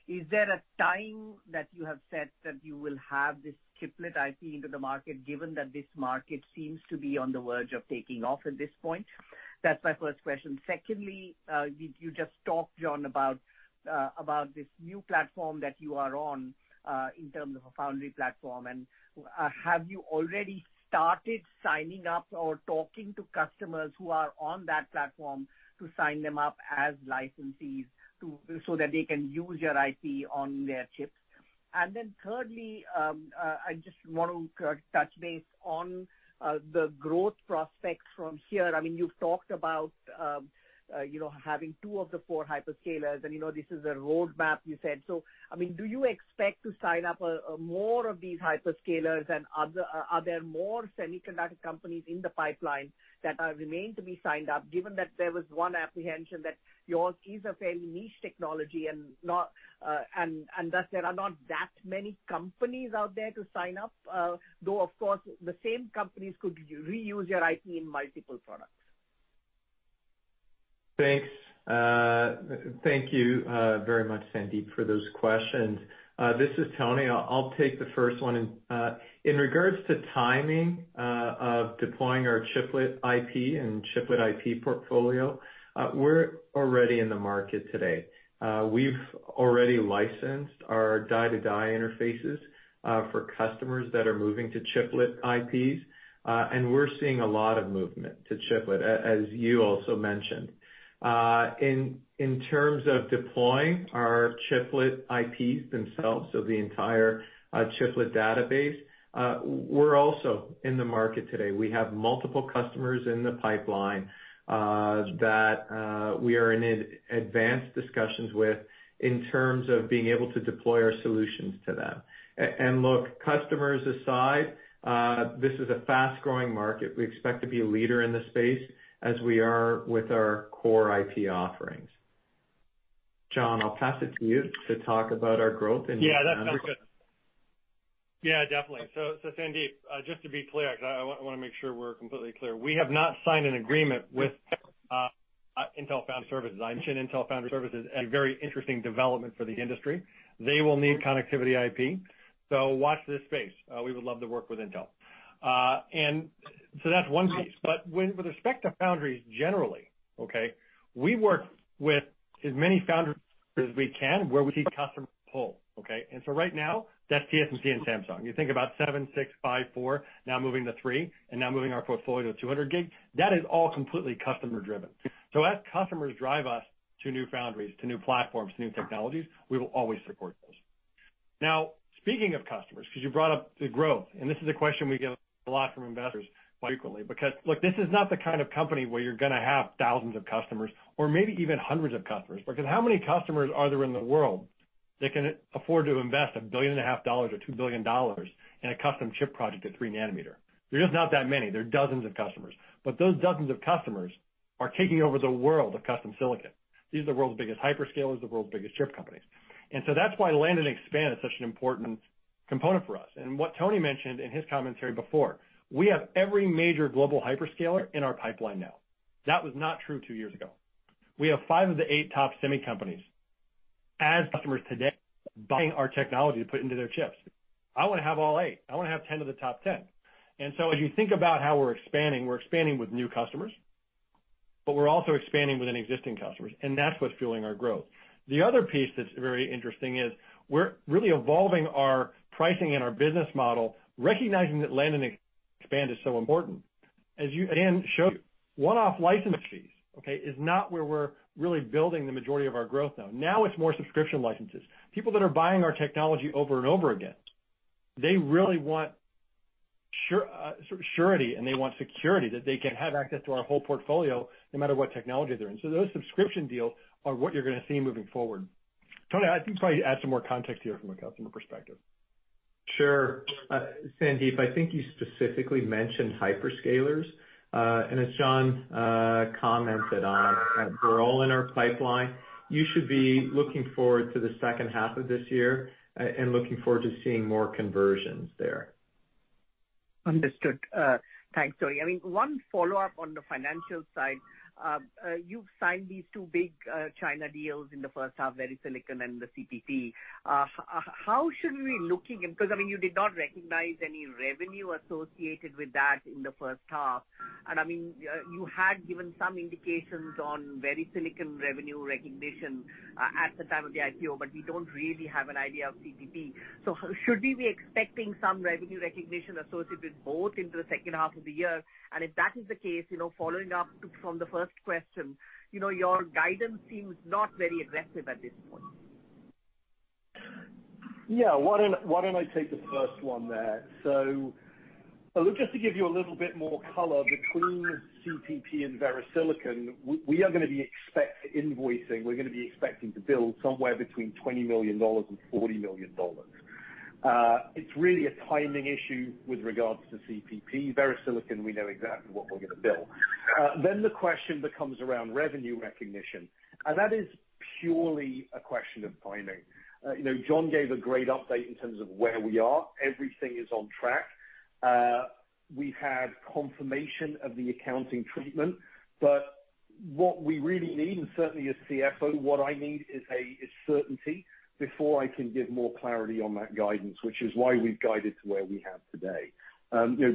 Is there a time that you have said that you will have this chiplet IP into the market, given that this market seems to be on the verge of taking off at this point? That's my first question. Secondly, you just talked, John, about this new platform that you are on, in terms of a foundry platform. Have you already started signing up or talking to customers who are on that platform to sign them up as licensees so that they can use your IP on their chips? Thirdly, I just want to touch base on the growth prospects from here. You've talked about having two of the four hyperscalers, and this is a roadmap you said. Do you expect to sign up more of these hyperscalers and are there more semiconductor companies in the pipeline that remain to be signed up, given that there was one apprehension that yours is a fairly niche technology and thus there are not that many companies out there to sign up? Of course, the same companies could reuse your IP in multiple products. Thanks. Thank you very much, Sandeep, for those questions. This is Tony. I'll take the first one. In regards to timing of deploying our chiplet IP and chiplet IP portfolio, we're already in the market today. We've already licensed our die-to-die interfaces for customers that are moving to chiplet IPs. We're seeing a lot of movement to chiplet, as you also mentioned. In terms of deploying our chiplet IPs themselves, so the entire chiplet database, we're also in the market today. We have multiple customers in the pipeline that we are in advanced discussions with in terms of being able to deploy our solutions to them. Look, customers aside, this is a fast-growing market. We expect to be a leader in this space as we are with our core IP offerings. John, I'll pass it to you to talk about our growth in- Yeah, that sounds good. Yeah, definitely. Sandeep, just to be clear, because I want to make sure we're completely clear. We have not signed an agreement with Intel Foundry Services. I mentioned Intel Foundry Services as a very interesting development for the industry. They will need connectivity IP. Watch this space. We would love to work with Intel. That's one piece. With respect to foundries generally, okay, we work with as many foundries as we can where we see customer pull, okay? Right now, that's TSMC and Samsung. You think about 7 nm, 6 nm, 5 nm, 4 nm, now moving to 3 nm, and now moving our portfolio to 200 gig. That is all completely customer driven. As customers drive us to new foundries, to new platforms, to new technologies, we will always support those. Speaking of customers, because you brought up the growth, and this is a question we get a lot from investors frequently, because, look, this is not the kind of company where you're going to have thousands of customers or maybe even hundreds of customers, because how many customers are there in the world that can afford to invest a billion and a half dollars or $2 billion in a custom chip project at 3 nm? There are just not that many. There are dozens of customers. Those dozens of customers are taking over the world of custom silicon. These are the world's biggest hyperscalers, the world's biggest chip companies. That's why Land and Expand is such an important component for us. What Tony mentioned in his commentary before, we have every major global hyperscaler in our pipeline now. That was not true two years ago. We have five of the eight top semi companies as customers today, buying our technology to put into their chips. I want to have all eight. I want to have 10 of the top 10. As you think about how we're expanding, we're expanding with new customers, but we're also expanding within existing customers, and that's what's fueling our growth. The other piece that's very interesting is we're really evolving our pricing and our business model, recognizing that Land and Expand is so important. As you, again, showed you, one-off license fees, okay, is not where we're really building the majority of our growth now. Now it's more subscription licenses. People that are buying our technology over and over again, they really want surety and they want security, that they can have access to our whole portfolio no matter what technology they're in. Those subscription deals are what you're going to see moving forward. Tony, I think probably add some more context here from a customer perspective. Sure. Sandeep, I think you specifically mentioned hyperscalers, and as John commented on, they're all in our pipeline. You should be looking forward to the second half of this year, and looking forward to seeing more conversions there. Understood. Thanks, Tony. One follow-up on the financial side. You've signed these two big China deals in the first half, VeriSilicon and the CPP. How should we be looking? You did not recognize any revenue associated with that in the first half, and you had given some indications on VeriSilicon revenue recognition at the time of the IPO, but we don't really have an idea of CPP. Should we be expecting some revenue recognition associated with both into the second half of the year? If that is the case, following up from the first question, your guidance seems not very aggressive at this point. Why don't I take the first one there? Just to give you a little bit more color, between CPP and VeriSilicon, we are going to be expect invoicing. We're going to be expecting to bill somewhere between $20 million and $40 million. It's really a timing issue with regards to CPP. VeriSilicon, we know exactly what we're going to bill. The question becomes around revenue recognition. That is purely a question of timing. John gave a great update in terms of where we are. Everything is on track. We've had confirmation of the accounting treatment, what we really need, and certainly as CFO, what I need, is certainty before I can give more clarity on that guidance, which is why we've guided to where we have today.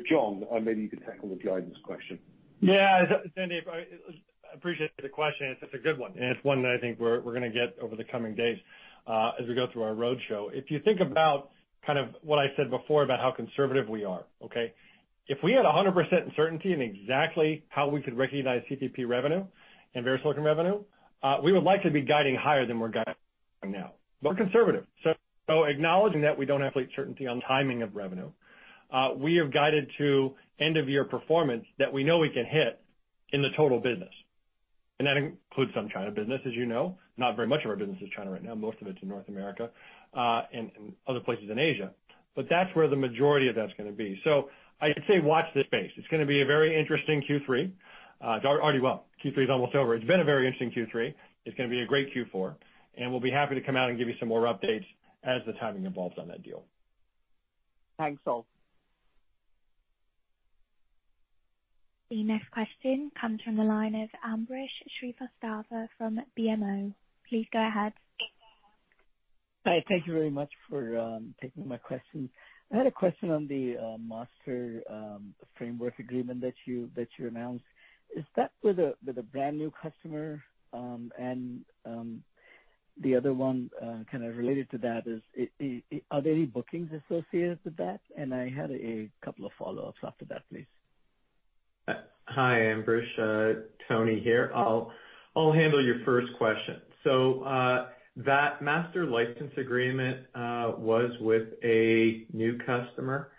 John, maybe you could tackle the guidance question. Yeah. Sandeep, I appreciate the question. It's a good one. It's one that I think we're going to get over the coming days as we go through our roadshow. If you think about what I said before about how conservative we are, okay? If we had 100% certainty in exactly how we could recognize CPP revenue and VeriSilicon revenue, we would likely be guiding higher than we're guiding now. More conservative. Acknowledging that we don't have certainty on the timing of revenue, we have guided to end-of-year performance that we know we can hit in the total business, and that includes some China business, as you know. Not very much of our business is China right now. Most of it's in North America, and other places in Asia. That's where the majority of that's going to be. I'd say watch this space. It's going to be a very interesting Q3. Q3 is almost over. It's been a very interesting Q3. It's going to be a great Q4, and we'll be happy to come out and give you some more updates as the timing evolves on that deal. Thanks all. The next question comes from the line of Ambrish Srivastava from BMO. Please go ahead. Hi. Thank you very much for taking my question. I had a question on the master framework agreement that you announced. Is that with a brand-new customer? The other one kind of related to that is are there any bookings associated with that? I had a couple of follow-ups after that, please. Hi, Ambrish. Tony here. I'll handle your first question. That master license agreement was with a new customer.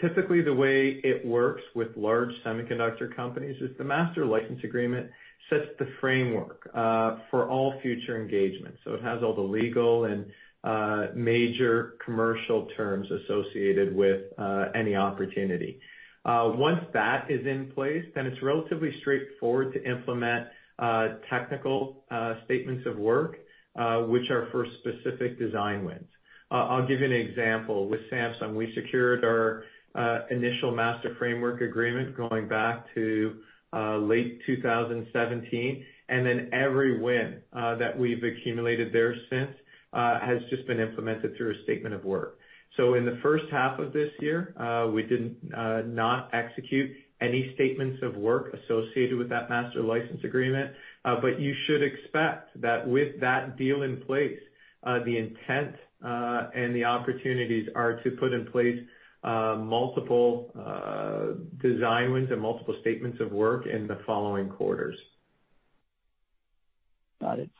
Typically, the way it works with large semiconductor companies is the master license agreement sets the framework for all future engagements. It has all the legal and major commercial terms associated with any opportunity. Once that is in place, then it's relatively straightforward to implement technical statements of work, which are for specific design wins. I'll give you an example. With Samsung, we secured our initial master framework agreement going back to late 2017, and then every win that we've accumulated there since has just been implemented through a statement of work. In the first half of this year, we did not execute any statements of work associated with that master license agreement. You should expect that with that deal in place, the intent, and the opportunities are to put in place multiple design wins and multiple statements of work in the following quarters. Got it.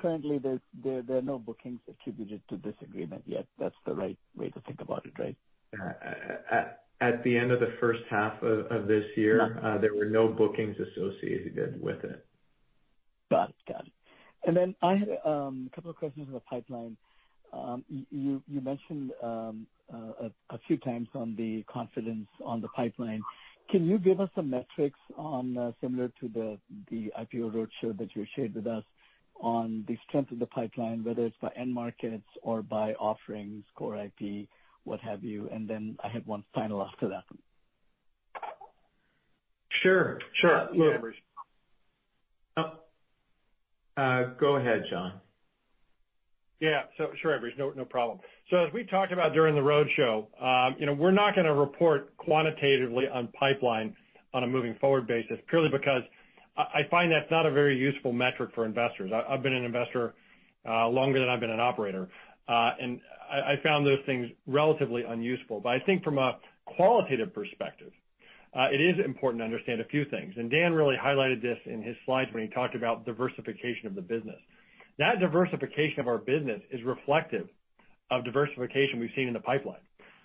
Currently, there are no bookings attributed to this agreement yet. That's the right way to think about it, right? At the end of the first half of this year. There were no bookings associated with it. Got it. Then I had a couple of questions on the pipeline. You mentioned a few times on the confidence on the pipeline. Can you give us some metrics similar to the IPO roadshow that you shared with us on the strength of the pipeline, whether it's by end markets or by offerings, core IP, what have you? Then I have one final after that. Sure. Yeah. Sure. Go ahead, John. Yeah. Sure, Ambrish. No problem. As we talked about during the roadshow, we're not going to report quantitatively on pipeline on a moving forward basis, purely because I find that's not a very useful metric for investors. I've been an investor longer than I've been an operator. I found those things relatively unuseful. I think from a qualitative perspective, it is important to understand a few things, and Dan really highlighted this in his slides when he talked about diversification of the business. That diversification of our business is reflective of diversification we've seen in the pipeline.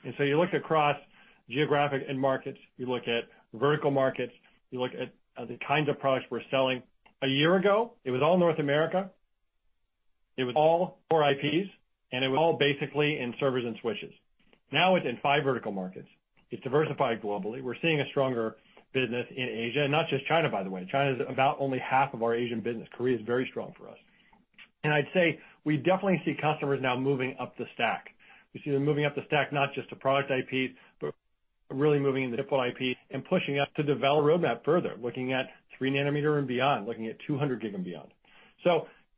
You look across geographic end markets, you look at vertical markets, you look at the kinds of products we're selling. A year ago, it was all North America, it was all core IPs, and it was all basically in servers and switches. Now it's in five vertical markets. It's diversified globally. We're seeing a stronger business in Asia, and not just China, by the way. China's about only half of our Asian business. Korea is very strong for us. I'd say we definitely see customers now moving up the stack. We see them moving up the stack, not just to product IPs, but really moving into deploy IP and pushing us to develop roadmap further, looking at 3 nm and beyond, looking at 200 gig and beyond.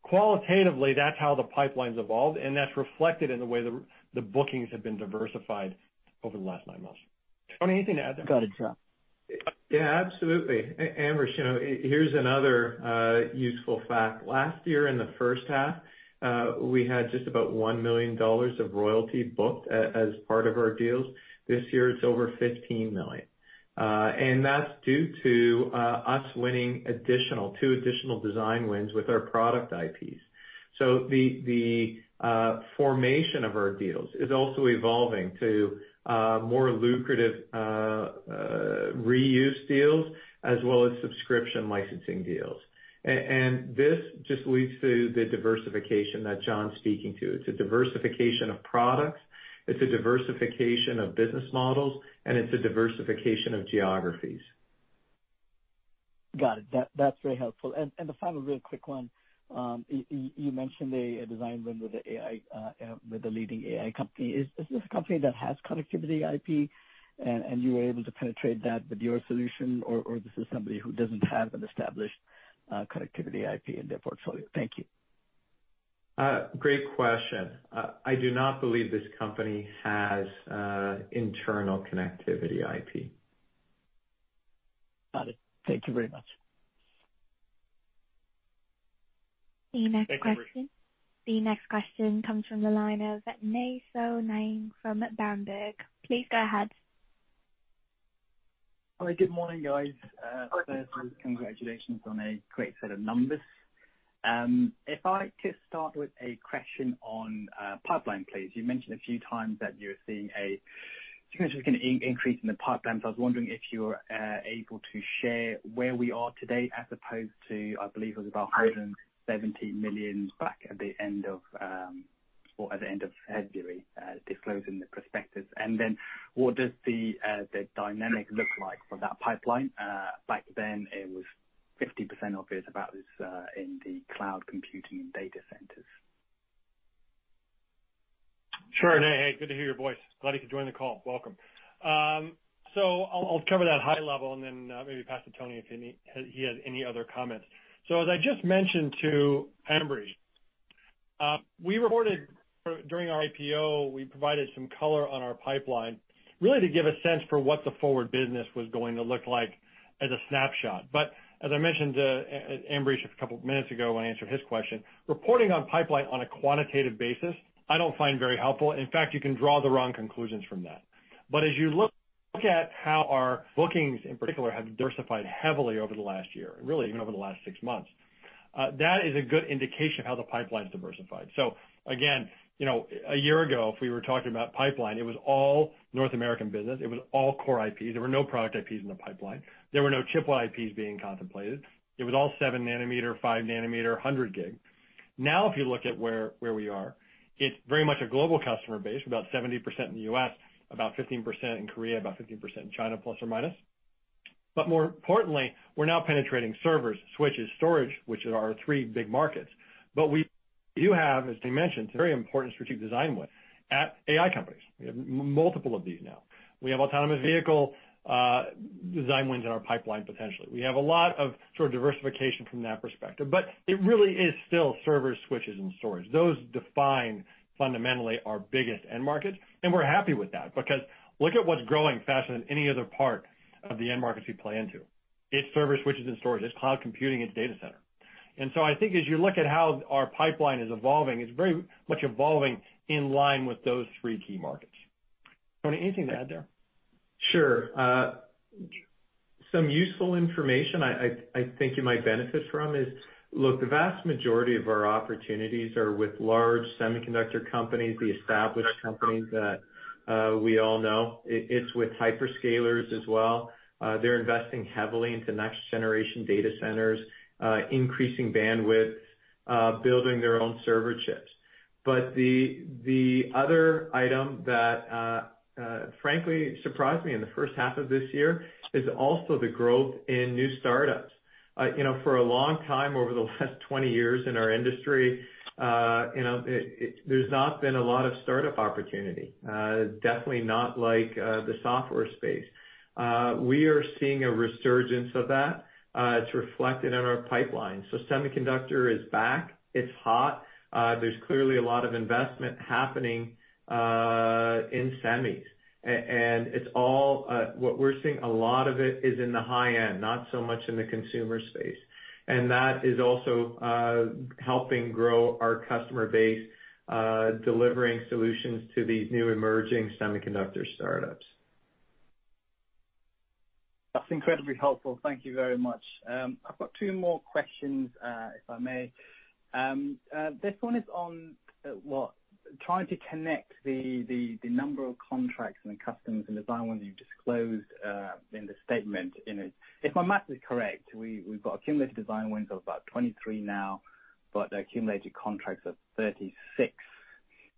Qualitatively, that's how the pipeline's evolved and that's reflected in the way the bookings have been diversified over the last nine months. Tony, anything to add there? Got it, John. Yeah, absolutely. Ambrish, here's another useful fact. Last year in the first half, we had just about $1 million of royalty booked as part of our deals. This year it's over $15 million. That's due to us winning two additional design wins with our product IPs. The formation of our deals is also evolving to more lucrative reuse deals as well as subscription licensing deals. This just leads to the diversification that John's speaking to. It's a diversification of products, it's a diversification of business models, and it's a diversification of geographies. Got it. That's very helpful. The final really quick one, you mentioned a design win with a leading AI company. Is this a company that has connectivity IP and you were able to penetrate that with your solution, or this is somebody who doesn't have an established connectivity IP in their portfolio? Thank you. Great question. I do not believe this company has internal connectivity IP. Got it. Thank you very much. Thank you, Ambrish. The next question comes from the line of Nay Soe Naing from Berenberg. Please go ahead. Hi. Good morning, guys. Good morning. First, congratulations on a great set of numbers. If I could start with a question on pipeline, please. You mentioned a few times that you're seeing a significant increase in the pipeline. I was wondering if you're able to share where we are today as opposed to, I believe it was about $170 million back at the end of February, disclosing the prospectus. What does the dynamic look like for that pipeline? Back then it was 50% of it about was in the cloud computing data centers. Sure. Nay, good to hear your voice. Glad you could join the call. Welcome. I'll cover that high level and then maybe pass to Tony if he has any other comments. As I just mentioned to Ambrish, we reported during our IPO, we provided some color on our pipeline, really to give a sense for what the forward business was going to look like as a snapshot. As I mentioned to Ambrish a couple of minutes ago when I answered his question, reporting on pipeline on a quantitative basis, I don't find very helpful. In fact, you can draw the wrong conclusions from that. As you look at how our bookings in particular have diversified heavily over the last year, and really even over the last six months, that is a good indication of how the pipeline's diversified. Again, a year ago, if we were talking about pipeline, it was all North American business. It was all core IPs. There were no product IPs in the pipeline. There were no chiplet IPs being contemplated. It was all 7 nm, 5 nm, 100 gig. If you look at where we are, it's very much a global customer base, about 70% in the U.S., about 15% in Korea, about 15%± in China. More importantly, we're now penetrating servers, switches, storage, which are our three big markets. We do have, as Tony mentioned, some very important strategic design wins at AI companies. We have multiple of these now. We have autonomous vehicle design wins in our pipeline, potentially. We have a lot of sort of diversification from that perspective, but it really is still servers, switches, and storage. Those define fundamentally our biggest end market. We're happy with that because look at what's growing faster than any other part of the end markets we play into. It's servers, switches, and storage. It's cloud computing. It's data center. I think as you look at how our pipeline is evolving, it's very much evolving in line with those three key markets. Tony, anything to add there? Sure. Some useful information I think you might benefit from is, look, the vast majority of our opportunities are with large semiconductor companies, the established companies that we all know. It's with hyperscalers as well. They're investing heavily into next generation data centers, increasing bandwidth, building their own server chips. The other item that frankly surprised me in the first half of this year is also the growth in new startups. For a long time, over the last 20 years in our industry, there's not been a lot of startup opportunity. Definitely not like the software space. We are seeing a resurgence of that. It's reflected in our pipeline. Semiconductor is back. It's hot. There's clearly a lot of investment happening in semis. What we're seeing a lot of it is in the high end, not so much in the consumer space. That is also helping grow our customer base, delivering solutions to these new emerging semiconductor startups. That's incredibly helpful. Thank you very much. I've got two more questions, if I may. This one is on, well, trying to connect the number of contracts and the customers and design wins you've disclosed in the statement. If my math is correct, we've got accumulated design wins of about 23 now, but accumulated contracts of 36.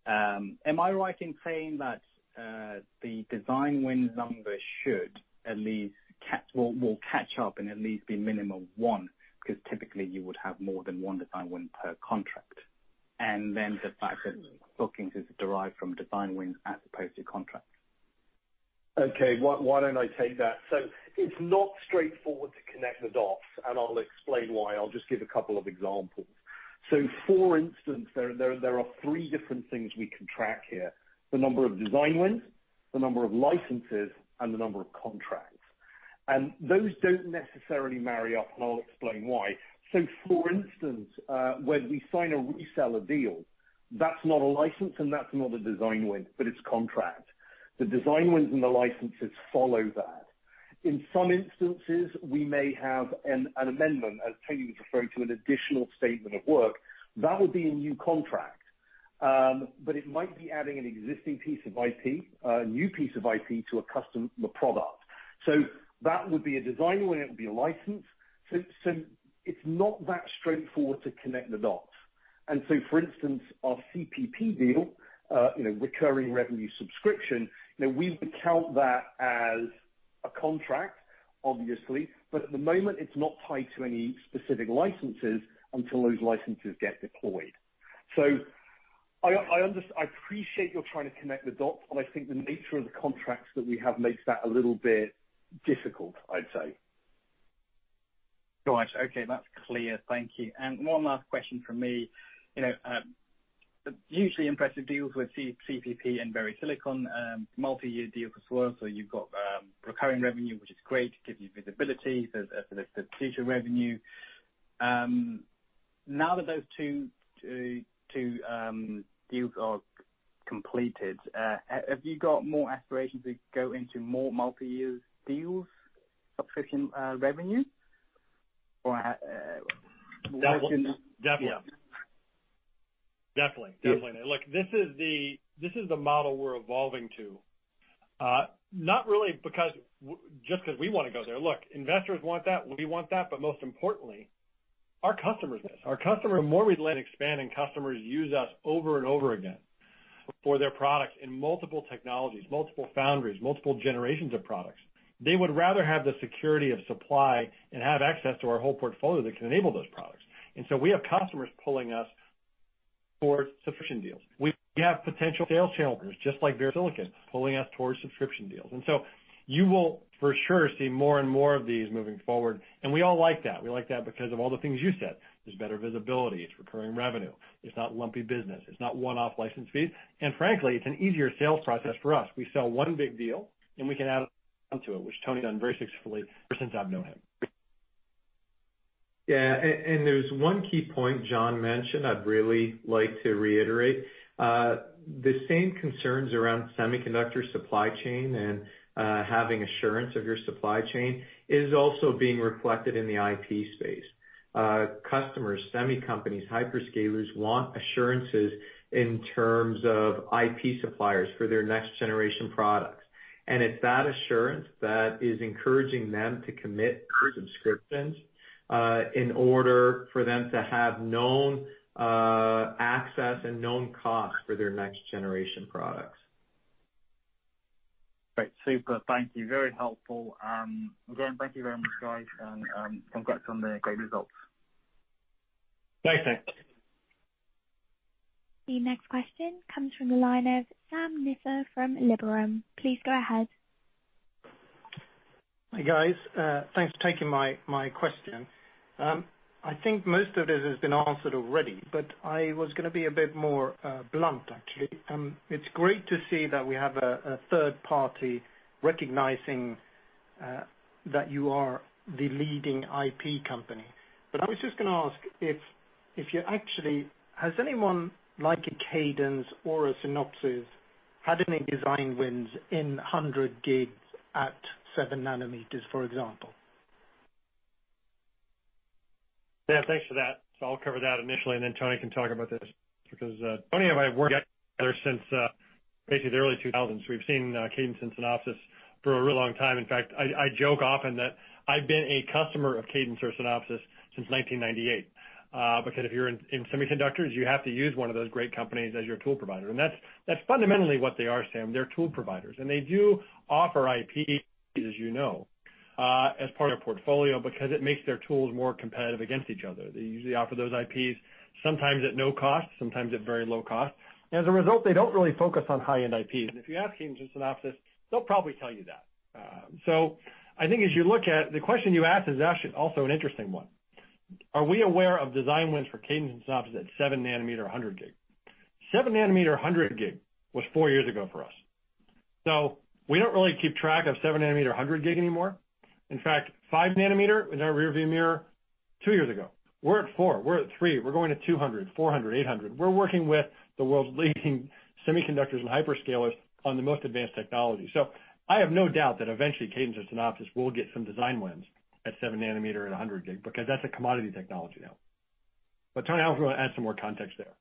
Am I right in saying that the design wins number will catch up and at least be minimum one? Because typically you would have more than one design win per contract, and then the fact that bookings is derived from design wins as opposed to contracts. Okay, why don't I take that? It's not straightforward to connect the dots, and I'll explain why. I'll just give a couple of examples. For instance, there are three different things we can track here, the number of design wins, the number of licenses, and the number of contracts. Those don't necessarily marry up, and I'll explain why. For instance, when we sign a reseller deal, that's not a license and that's not a design win, but it's contract. The design wins and the licenses follow that. In some instances, we may have an amendment, as Tony was referring to, an additional statement of work. That would be a new contract. It might be adding an existing piece of IP, a new piece of IP to a customer product. That would be a design win, it would be a license. It's not that straightforward to connect the dots. For instance, our CPP deal, recurring revenue subscription, we would count that as a contract, obviously. At the moment, it's not tied to any specific licenses until those licenses get deployed. I appreciate you're trying to connect the dots, but I think the nature of the contracts that we have makes that a little bit difficult, I'd say. Gotcha. Okay, that's clear. Thank you. One last question from me. Usually impressive deals with CPP and VeriSilicon, multi-year deal for SerDes, so you've got recurring revenue, which is great. It gives you visibility for the future revenue. Now that those two deals are completed, have you got more aspirations to go into more multi-year deals, subscription revenue? Definitely. Look, this is the model we're evolving to. Not really just because we want to go there. Look, investors want that. We want that, but most importantly, our customers want this. Our customers, the more we let expanding customers use us over and over again for their products in multiple technologies, multiple foundries, multiple generations of products, they would rather have the security of supply and have access to our whole portfolio that can enable those products. We have customers pulling us towards subscription deals. We have potential sales channels, just like VeriSilicon, pulling us towards subscription deals. You will for sure see more and more of these moving forward, and we all like that. We like that because of all the things you said. There's better visibility, it's recurring revenue, it's not lumpy business, it's not one-off license fees, and frankly, it's an easier sales process for us. We sell one big deal and we can add on to it, which Tony's done very successfully ever since I've known him. Yeah. There's one key point John mentioned I'd really like to reiterate. The same concerns around semiconductor supply chain and having assurance of your supply chain is also being reflected in the IP space. Customers, semi companies, hyperscalers want assurances in terms of IP suppliers for their next generation products. It's that assurance that is encouraging them to commit to subscriptions in order for them to have known access and known cost for their next generation products. Great. Super thank you. Very helpful. Again, thank you very much, guys, and congrats on the great results. Thanks. The next question comes from the line of Jan Menon from Liberum. Please go ahead. Hi, guys. Thanks for taking my question. I think most of this has been answered already. I was going to be a bit more blunt, actually. It's great to see that we have a third party recognizing that you are the leading IP company. I was just going to ask, has anyone like a Cadence or a Synopsys had any design wins in 100 gigs at 7 nm, for example? Thanks for that. I'll cover that initially, and then Tony can talk about this because Tony and I have worked together since basically the early 2000s. We've seen Cadence and Synopsys for a really long time. In fact, I joke often that I've been a customer of Cadence or Synopsys since 1998. If you're in semiconductors, you have to use one of those great companies as your tool provider. That's fundamentally what they are, Jan. They're tool providers, and they do offer IP, as you know, as part of their portfolio because it makes their tools more competitive against each other. They usually offer those IPs sometimes at no cost, sometimes at very low cost. They don't really focus on high-end IPs. If you ask Cadence and Synopsys, they'll probably tell you that I think as you look at it, the question you asked is actually also an interesting one. Are we aware of design wins for Cadence and Synopsys at 7 nm, 100 gig? 7 nm, 100 gig was four years ago for us. We don't really keep track of 7 nm, 100 gig anymore. In fact, 5 nm is in our rearview mirror two years ago. We're at 4 nm, we're at 3 nm, we're going to 200 gig, 400 gig, 800 gig. We're working with the world's leading semiconductors and hyperscalers on the most advanced technology. I have no doubt that eventually Cadence and Synopsys will get some design wins at 7 nm and 100 gig because that's a commodity technology now. Tony, I was going to add some more context there.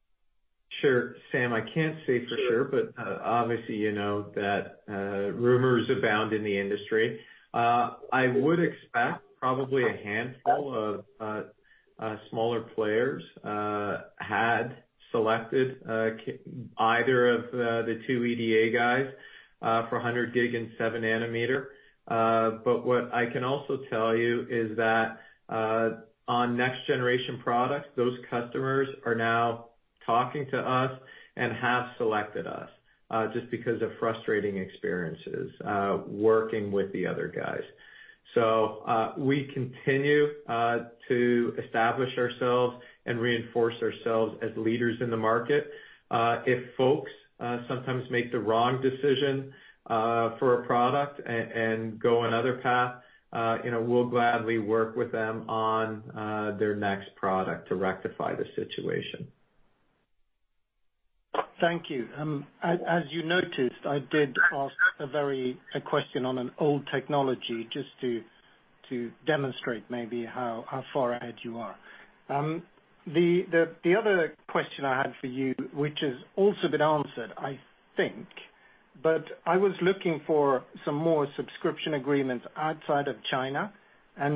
Sure. Jan, I can't say for sure, but, obviously, you know that rumors abound in the industry. I would expect probably a handful of smaller players had selected either of the two EDA guys for 100 gig and 7 nm. What I can also tell you is that on next-generation products, those customers are now talking to us and have selected us, just because of frustrating experiences working with the other guys. We continue to establish ourselves and reinforce ourselves as leaders in the market. If folks sometimes make the wrong decision for a product and go another path, we'll gladly work with them on their next product to rectify the situation. Thank you. As you noticed, I did ask a question on an old technology just to demonstrate maybe how far ahead you are. The other question I had for you, which has also been answered, I think, but I was looking for some more subscription agreements outside of China.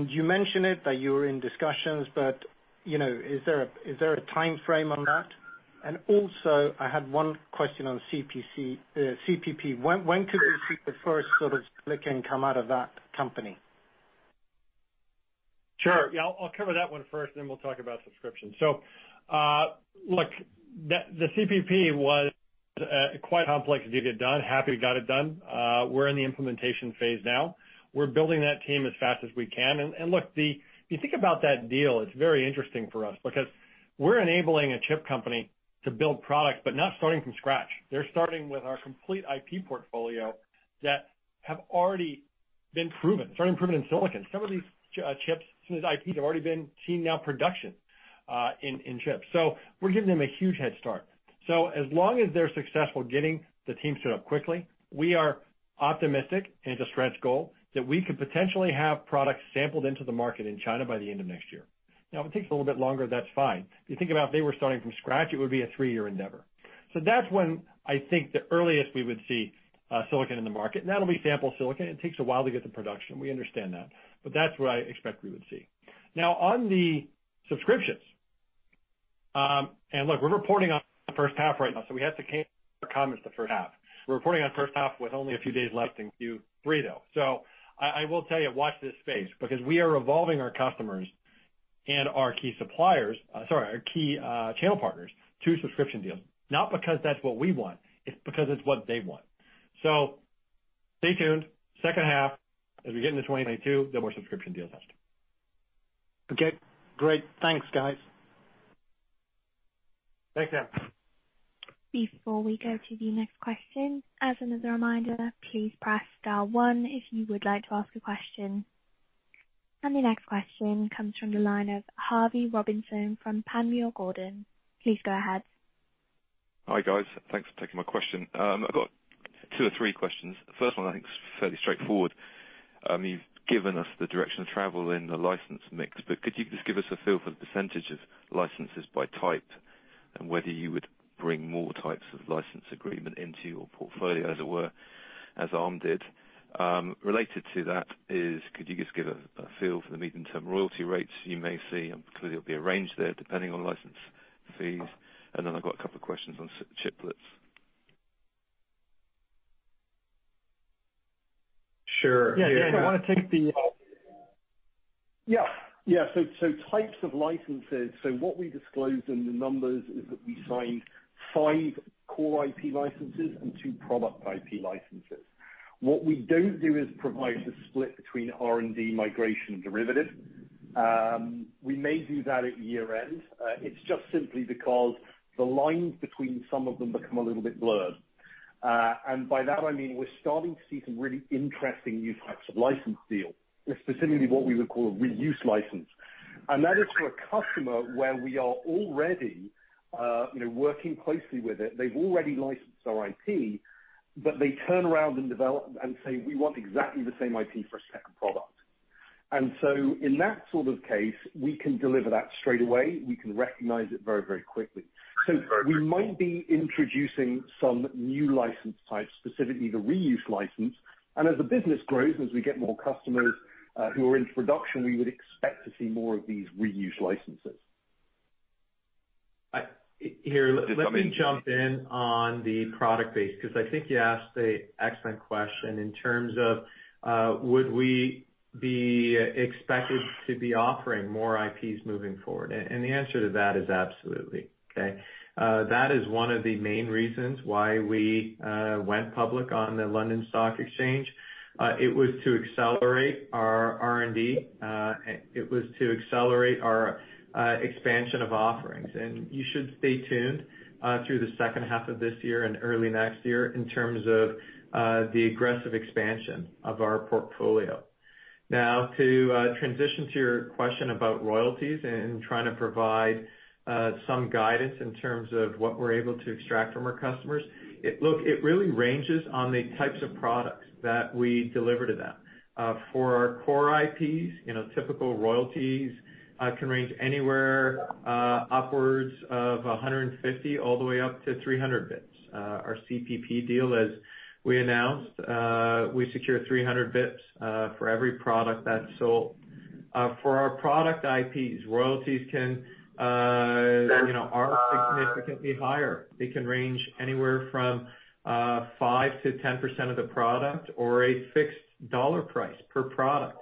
You mentioned it, that you were in discussions, but is there a time frame on that? Also, I had one question on CPP. When could we see the first sort of silicon come out of that company? Sure. Yeah, I'll cover that one first, and then we'll talk about subscription. Look, the CPP was quite complex to get done. Happy we got it done. We're in the implementation phase now. We're building that team as fast as we can. Look, if you think about that deal, it's very interesting for us because we're enabling a chip company to build products, but not starting from scratch. They're starting with our complete IP portfolio that have already been proven, certainly proven in silicon. Some of these chips, some of these IPs, have already been seen now in production in chips. We're giving them a huge head start. As long as they're successful getting the team stood up quickly, we are optimistic, and it's a stretch goal, that we could potentially have products sampled into the market in China by the end of next year. If it takes a little bit longer, that's fine. If you think about if they were starting from scratch, it would be a three-year endeavor. That's when I think the earliest we would see silicon in the market, and that'll be sample silicon. It takes a while to get to production. We understand that. That's what I expect we would see. On the subscriptions, look, we're reporting on the first half right now, we have to cane our comments the first half. We're reporting on first half with only a few days left in Q3, though. I will tell you, watch this space because we are evolving our customers and our key suppliers, sorry, our key channel partners to subscription deals. Not because that's what we want, it's because it's what they want. Stay tuned. Second half, as we get into 2022, there'll be more subscription deals announced. Okay, great. Thanks, guys. Thanks, Sam. Before we go to the next question, as another reminder, please press star one if you would like to ask a question. The next question comes from the line of Harvey Robinson from Panmure Gordon. Please go ahead. Hi, guys. Thanks for taking my question. I've got two or three questions. The first one I think is fairly straightforward. You've given us the direction of travel in the license mix, but could you just give us a feel for the percentage of licenses by type and whether you would bring more types of license agreement into your portfolio, as it were, as Arm did? Related to that is could you just give a feel for the medium-term royalty rates you may see? I'm clear there'll be a range there depending on license fees. I've got a couple questions on chiplets. Sure. Yeah. Dan, do you want to take the. Types of licenses. What we disclosed in the numbers is that we signed five core IP licenses and two product IP licenses. What we don't do is provide the split between R&D, migration, and derivative. We may do that at year-end. It's just simply because the lines between some of them become a little bit blurred. By that I mean we're starting to see some really interesting new types of license deals, specifically what we would call a reuse license. That is to a customer where we are already working closely with it. They've already licensed our IP, but they turn around and say, "We want exactly the same IP for a second product. In that sort of case, we can deliver that straight away. We can recognize it very quickly. We might be introducing some new license types, specifically the reuse license. As the business grows, as we get more customers who are into production, we would expect to see more of these reuse licenses. Here, let me jump in on the product base, because I think you asked a excellent question in terms of would we be expected to be offering more IPs moving forward? The answer to that is absolutely, okay? That is one of the main reasons why we went public on the London Stock Exchange. It was to accelerate our R&D. It was to accelerate our expansion of offerings. You should stay tuned through the second half of this year and early next year in terms of the aggressive expansion of our portfolio. To transition to your question about royalties and trying to provide some guidance in terms of what we're able to extract from our customers, look, it really ranges on the types of products that we deliver to them. For our Core IPs, typical royalties can range anywhere upwards of 150 basis points all the way up to 300 basis points. Our CPP deal, as we announced, we secure 300 basis points for every product that's sold. For our product IPs, royalties are significantly higher. They can range anywhere from 5% to 10% of the product or a fixed dollar price per product.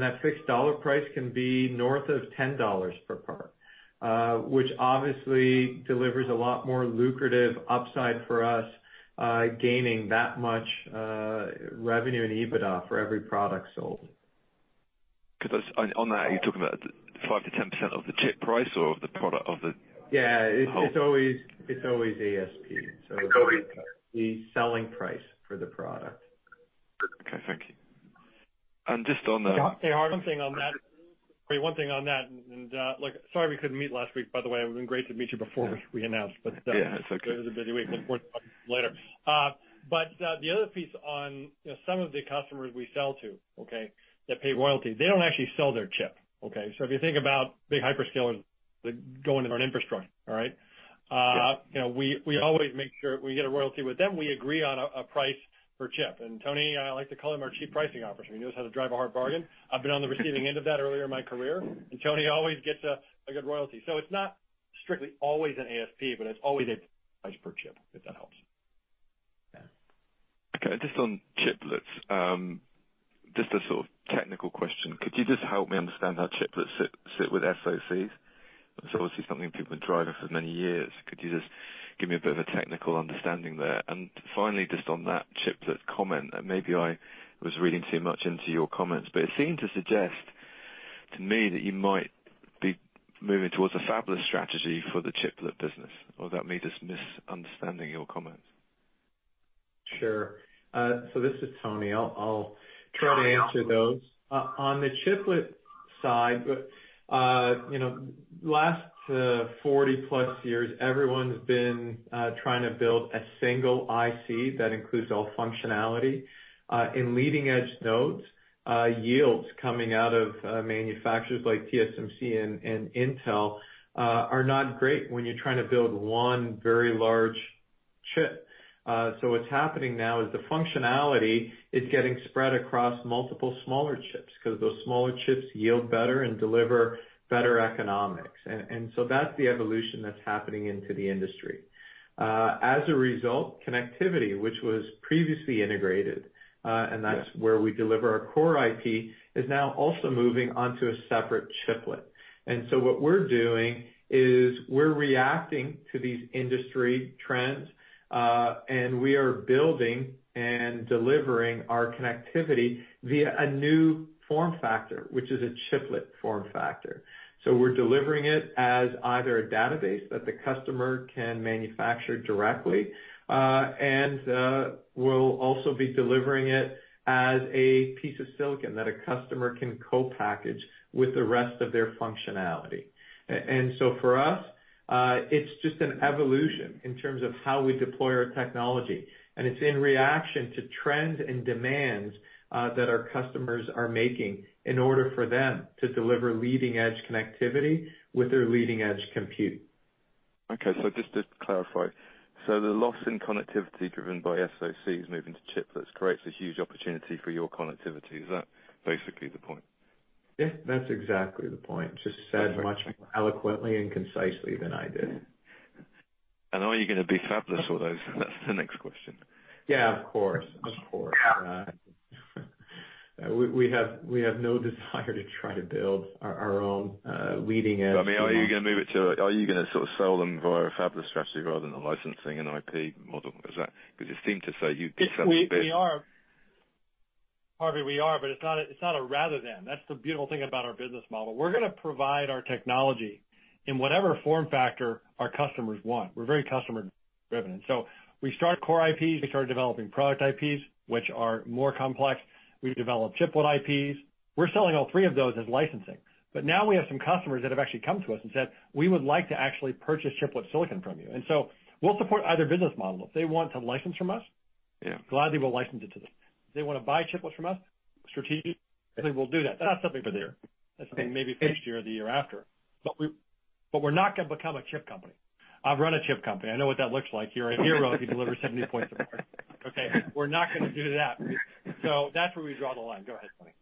That fixed dollar price can be north of $10 per part, which obviously delivers a lot more lucrative upside for us, gaining that much revenue and EBITDA for every product sold. On that, are you talking about 5%-10% of the chip price or of the product? Yeah, it's always ASP. Okay. The selling price for the product. Okay, thank you. Hey, Harvey, one thing on that, and look, sorry we couldn't meet last week, by the way. It would've been great to meet you before we announced. Yeah, it's okay. It was a busy week. Look forward to talking later. The other piece on some of the customers we sell to that pay royalty, they don't actually sell their chip. If you think about big hyperscalers that go into an infrastructure. We always make sure if we get a royalty with them, we agree on a price per chip. Tony, I like to call him our chief pricing officer. He knows how to drive a hard bargain. I've been on the receiving end of that earlier in my career, and Tony always gets a good royalty. It's not strictly always an ASP, but it's always a price per chip, if that helps. Yeah. Okay, just on chiplets, just a sort of technical question. Could you just help me understand how chiplets sit with SoCs? It's obviously something people have been driving for many years. Could you just give me a bit of a technical understanding there? Finally, just on that chiplet comment, and maybe I was reading too much into your comments, but it seemed to suggest to me that you might be moving towards a fabless strategy for the chiplet business, or that may just misunderstanding your comments. Sure. This is Tony. I'll try to answer those. On the chiplet side, last 40+ years, everyone's been trying to build a single IC that includes all functionality. In leading-edge nodes, yields coming out of manufacturers like TSMC and Intel are not great when you're trying to build one very large chip. What's happening now is the functionality is getting spread across multiple smaller chips because those smaller chips yield better and deliver better economics. That's the evolution that's happening into the industry. As a result, connectivity, which was previously integrated, and that's where we deliver our core IP, is now also moving onto a separate chiplet. What we're doing is we're reacting to these industry trends, and we are building and delivering our connectivity via a new form factor, which is a chiplet form factor. We're delivering it as either a database that the customer can manufacture directly. We'll also be delivering it as a piece of silicon that a customer can co-package with the rest of their functionality. For us, it's just an evolution in terms of how we deploy our technology, and it's in reaction to trends and demands that our customers are making in order for them to deliver leading-edge connectivity with their leading-edge compute. Okay, just to clarify, the loss in connectivity driven by SoCs moving to chiplets creates a huge opportunity for your connectivity. Is that basically the point? That's exactly the point, just said much more eloquently and concisely than I did. Are you going to be fabless or those? That's the next question. Yeah, of course. We have no desire to try to build our own leading edge. I mean, are you going to sort of sell them via a fabless strategy rather than a licensing and IP model? Because you seem to say you'd be selling bits. Harvey, we are, but it's not a rather than. That's the beautiful thing about our business model. We're going to provide our technology in whatever form factor our customers want. We're very customer-driven. We started core IPs. We started developing product IPs, which are more complex. We've developed chiplet IPs. We're selling all three of those as licensing. Now we have some customers that have actually come to us and said, "We would like to actually purchase chiplet silicon from you." We'll support either business model. If they want to license from us- Yeah gladly, we'll license it to them. If they want to buy chiplets from us strategically, we'll do that. That's not something for the year. That's something maybe for next year or the year after. We're not going to become a chip company. I've run a chip company. I know what that looks like. You're a hero if you deliver 70 points a quarter. Okay. We're not going to do that. That's where we draw the line. Go ahead, Tony.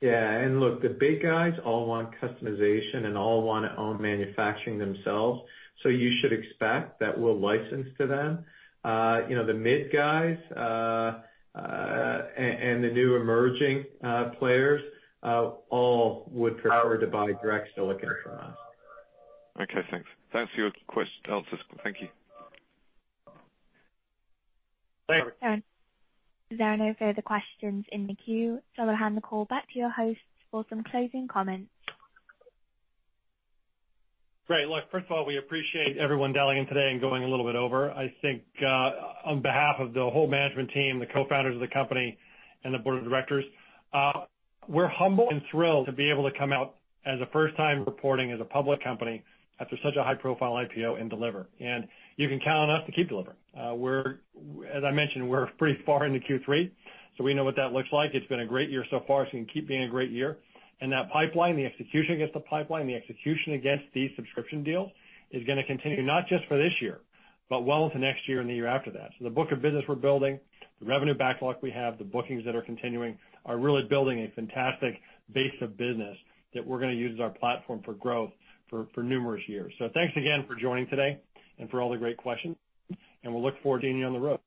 Yeah. Look, the big guys all want customization and all want to own manufacturing themselves. You should expect that we'll license to them. The mid guys and the new emerging players all would prefer to buy direct silicon from us. Okay, thanks. Thanks for your answers. Thank you. Thanks. There are no further questions in the queue, so I'll hand the call back to your host for some closing comments. Great. Look, first of all, we appreciate everyone dialing in today and going a little bit over. I think, on behalf of the whole management team, the cofounders of the company, and the board of directors, we're humbled and thrilled to be able to come out as a first-time reporting as a public company after such a high-profile IPO and deliver, and you can count on us to keep delivering. As I mentioned, we're pretty far into Q3, so we know what that looks like. It's been a great year so far, so it can keep being a great year. That pipeline, the execution against the pipeline, the execution against these subscription deals is going to continue, not just for this year, but well into next year and the year after that. The book of business we're building, the revenue backlog we have, the bookings that are continuing are really building a fantastic base of business that we're going to use as our platform for growth for numerous years. Thanks again for joining today and for all the great questions, and we'll look forward to seeing you on the road.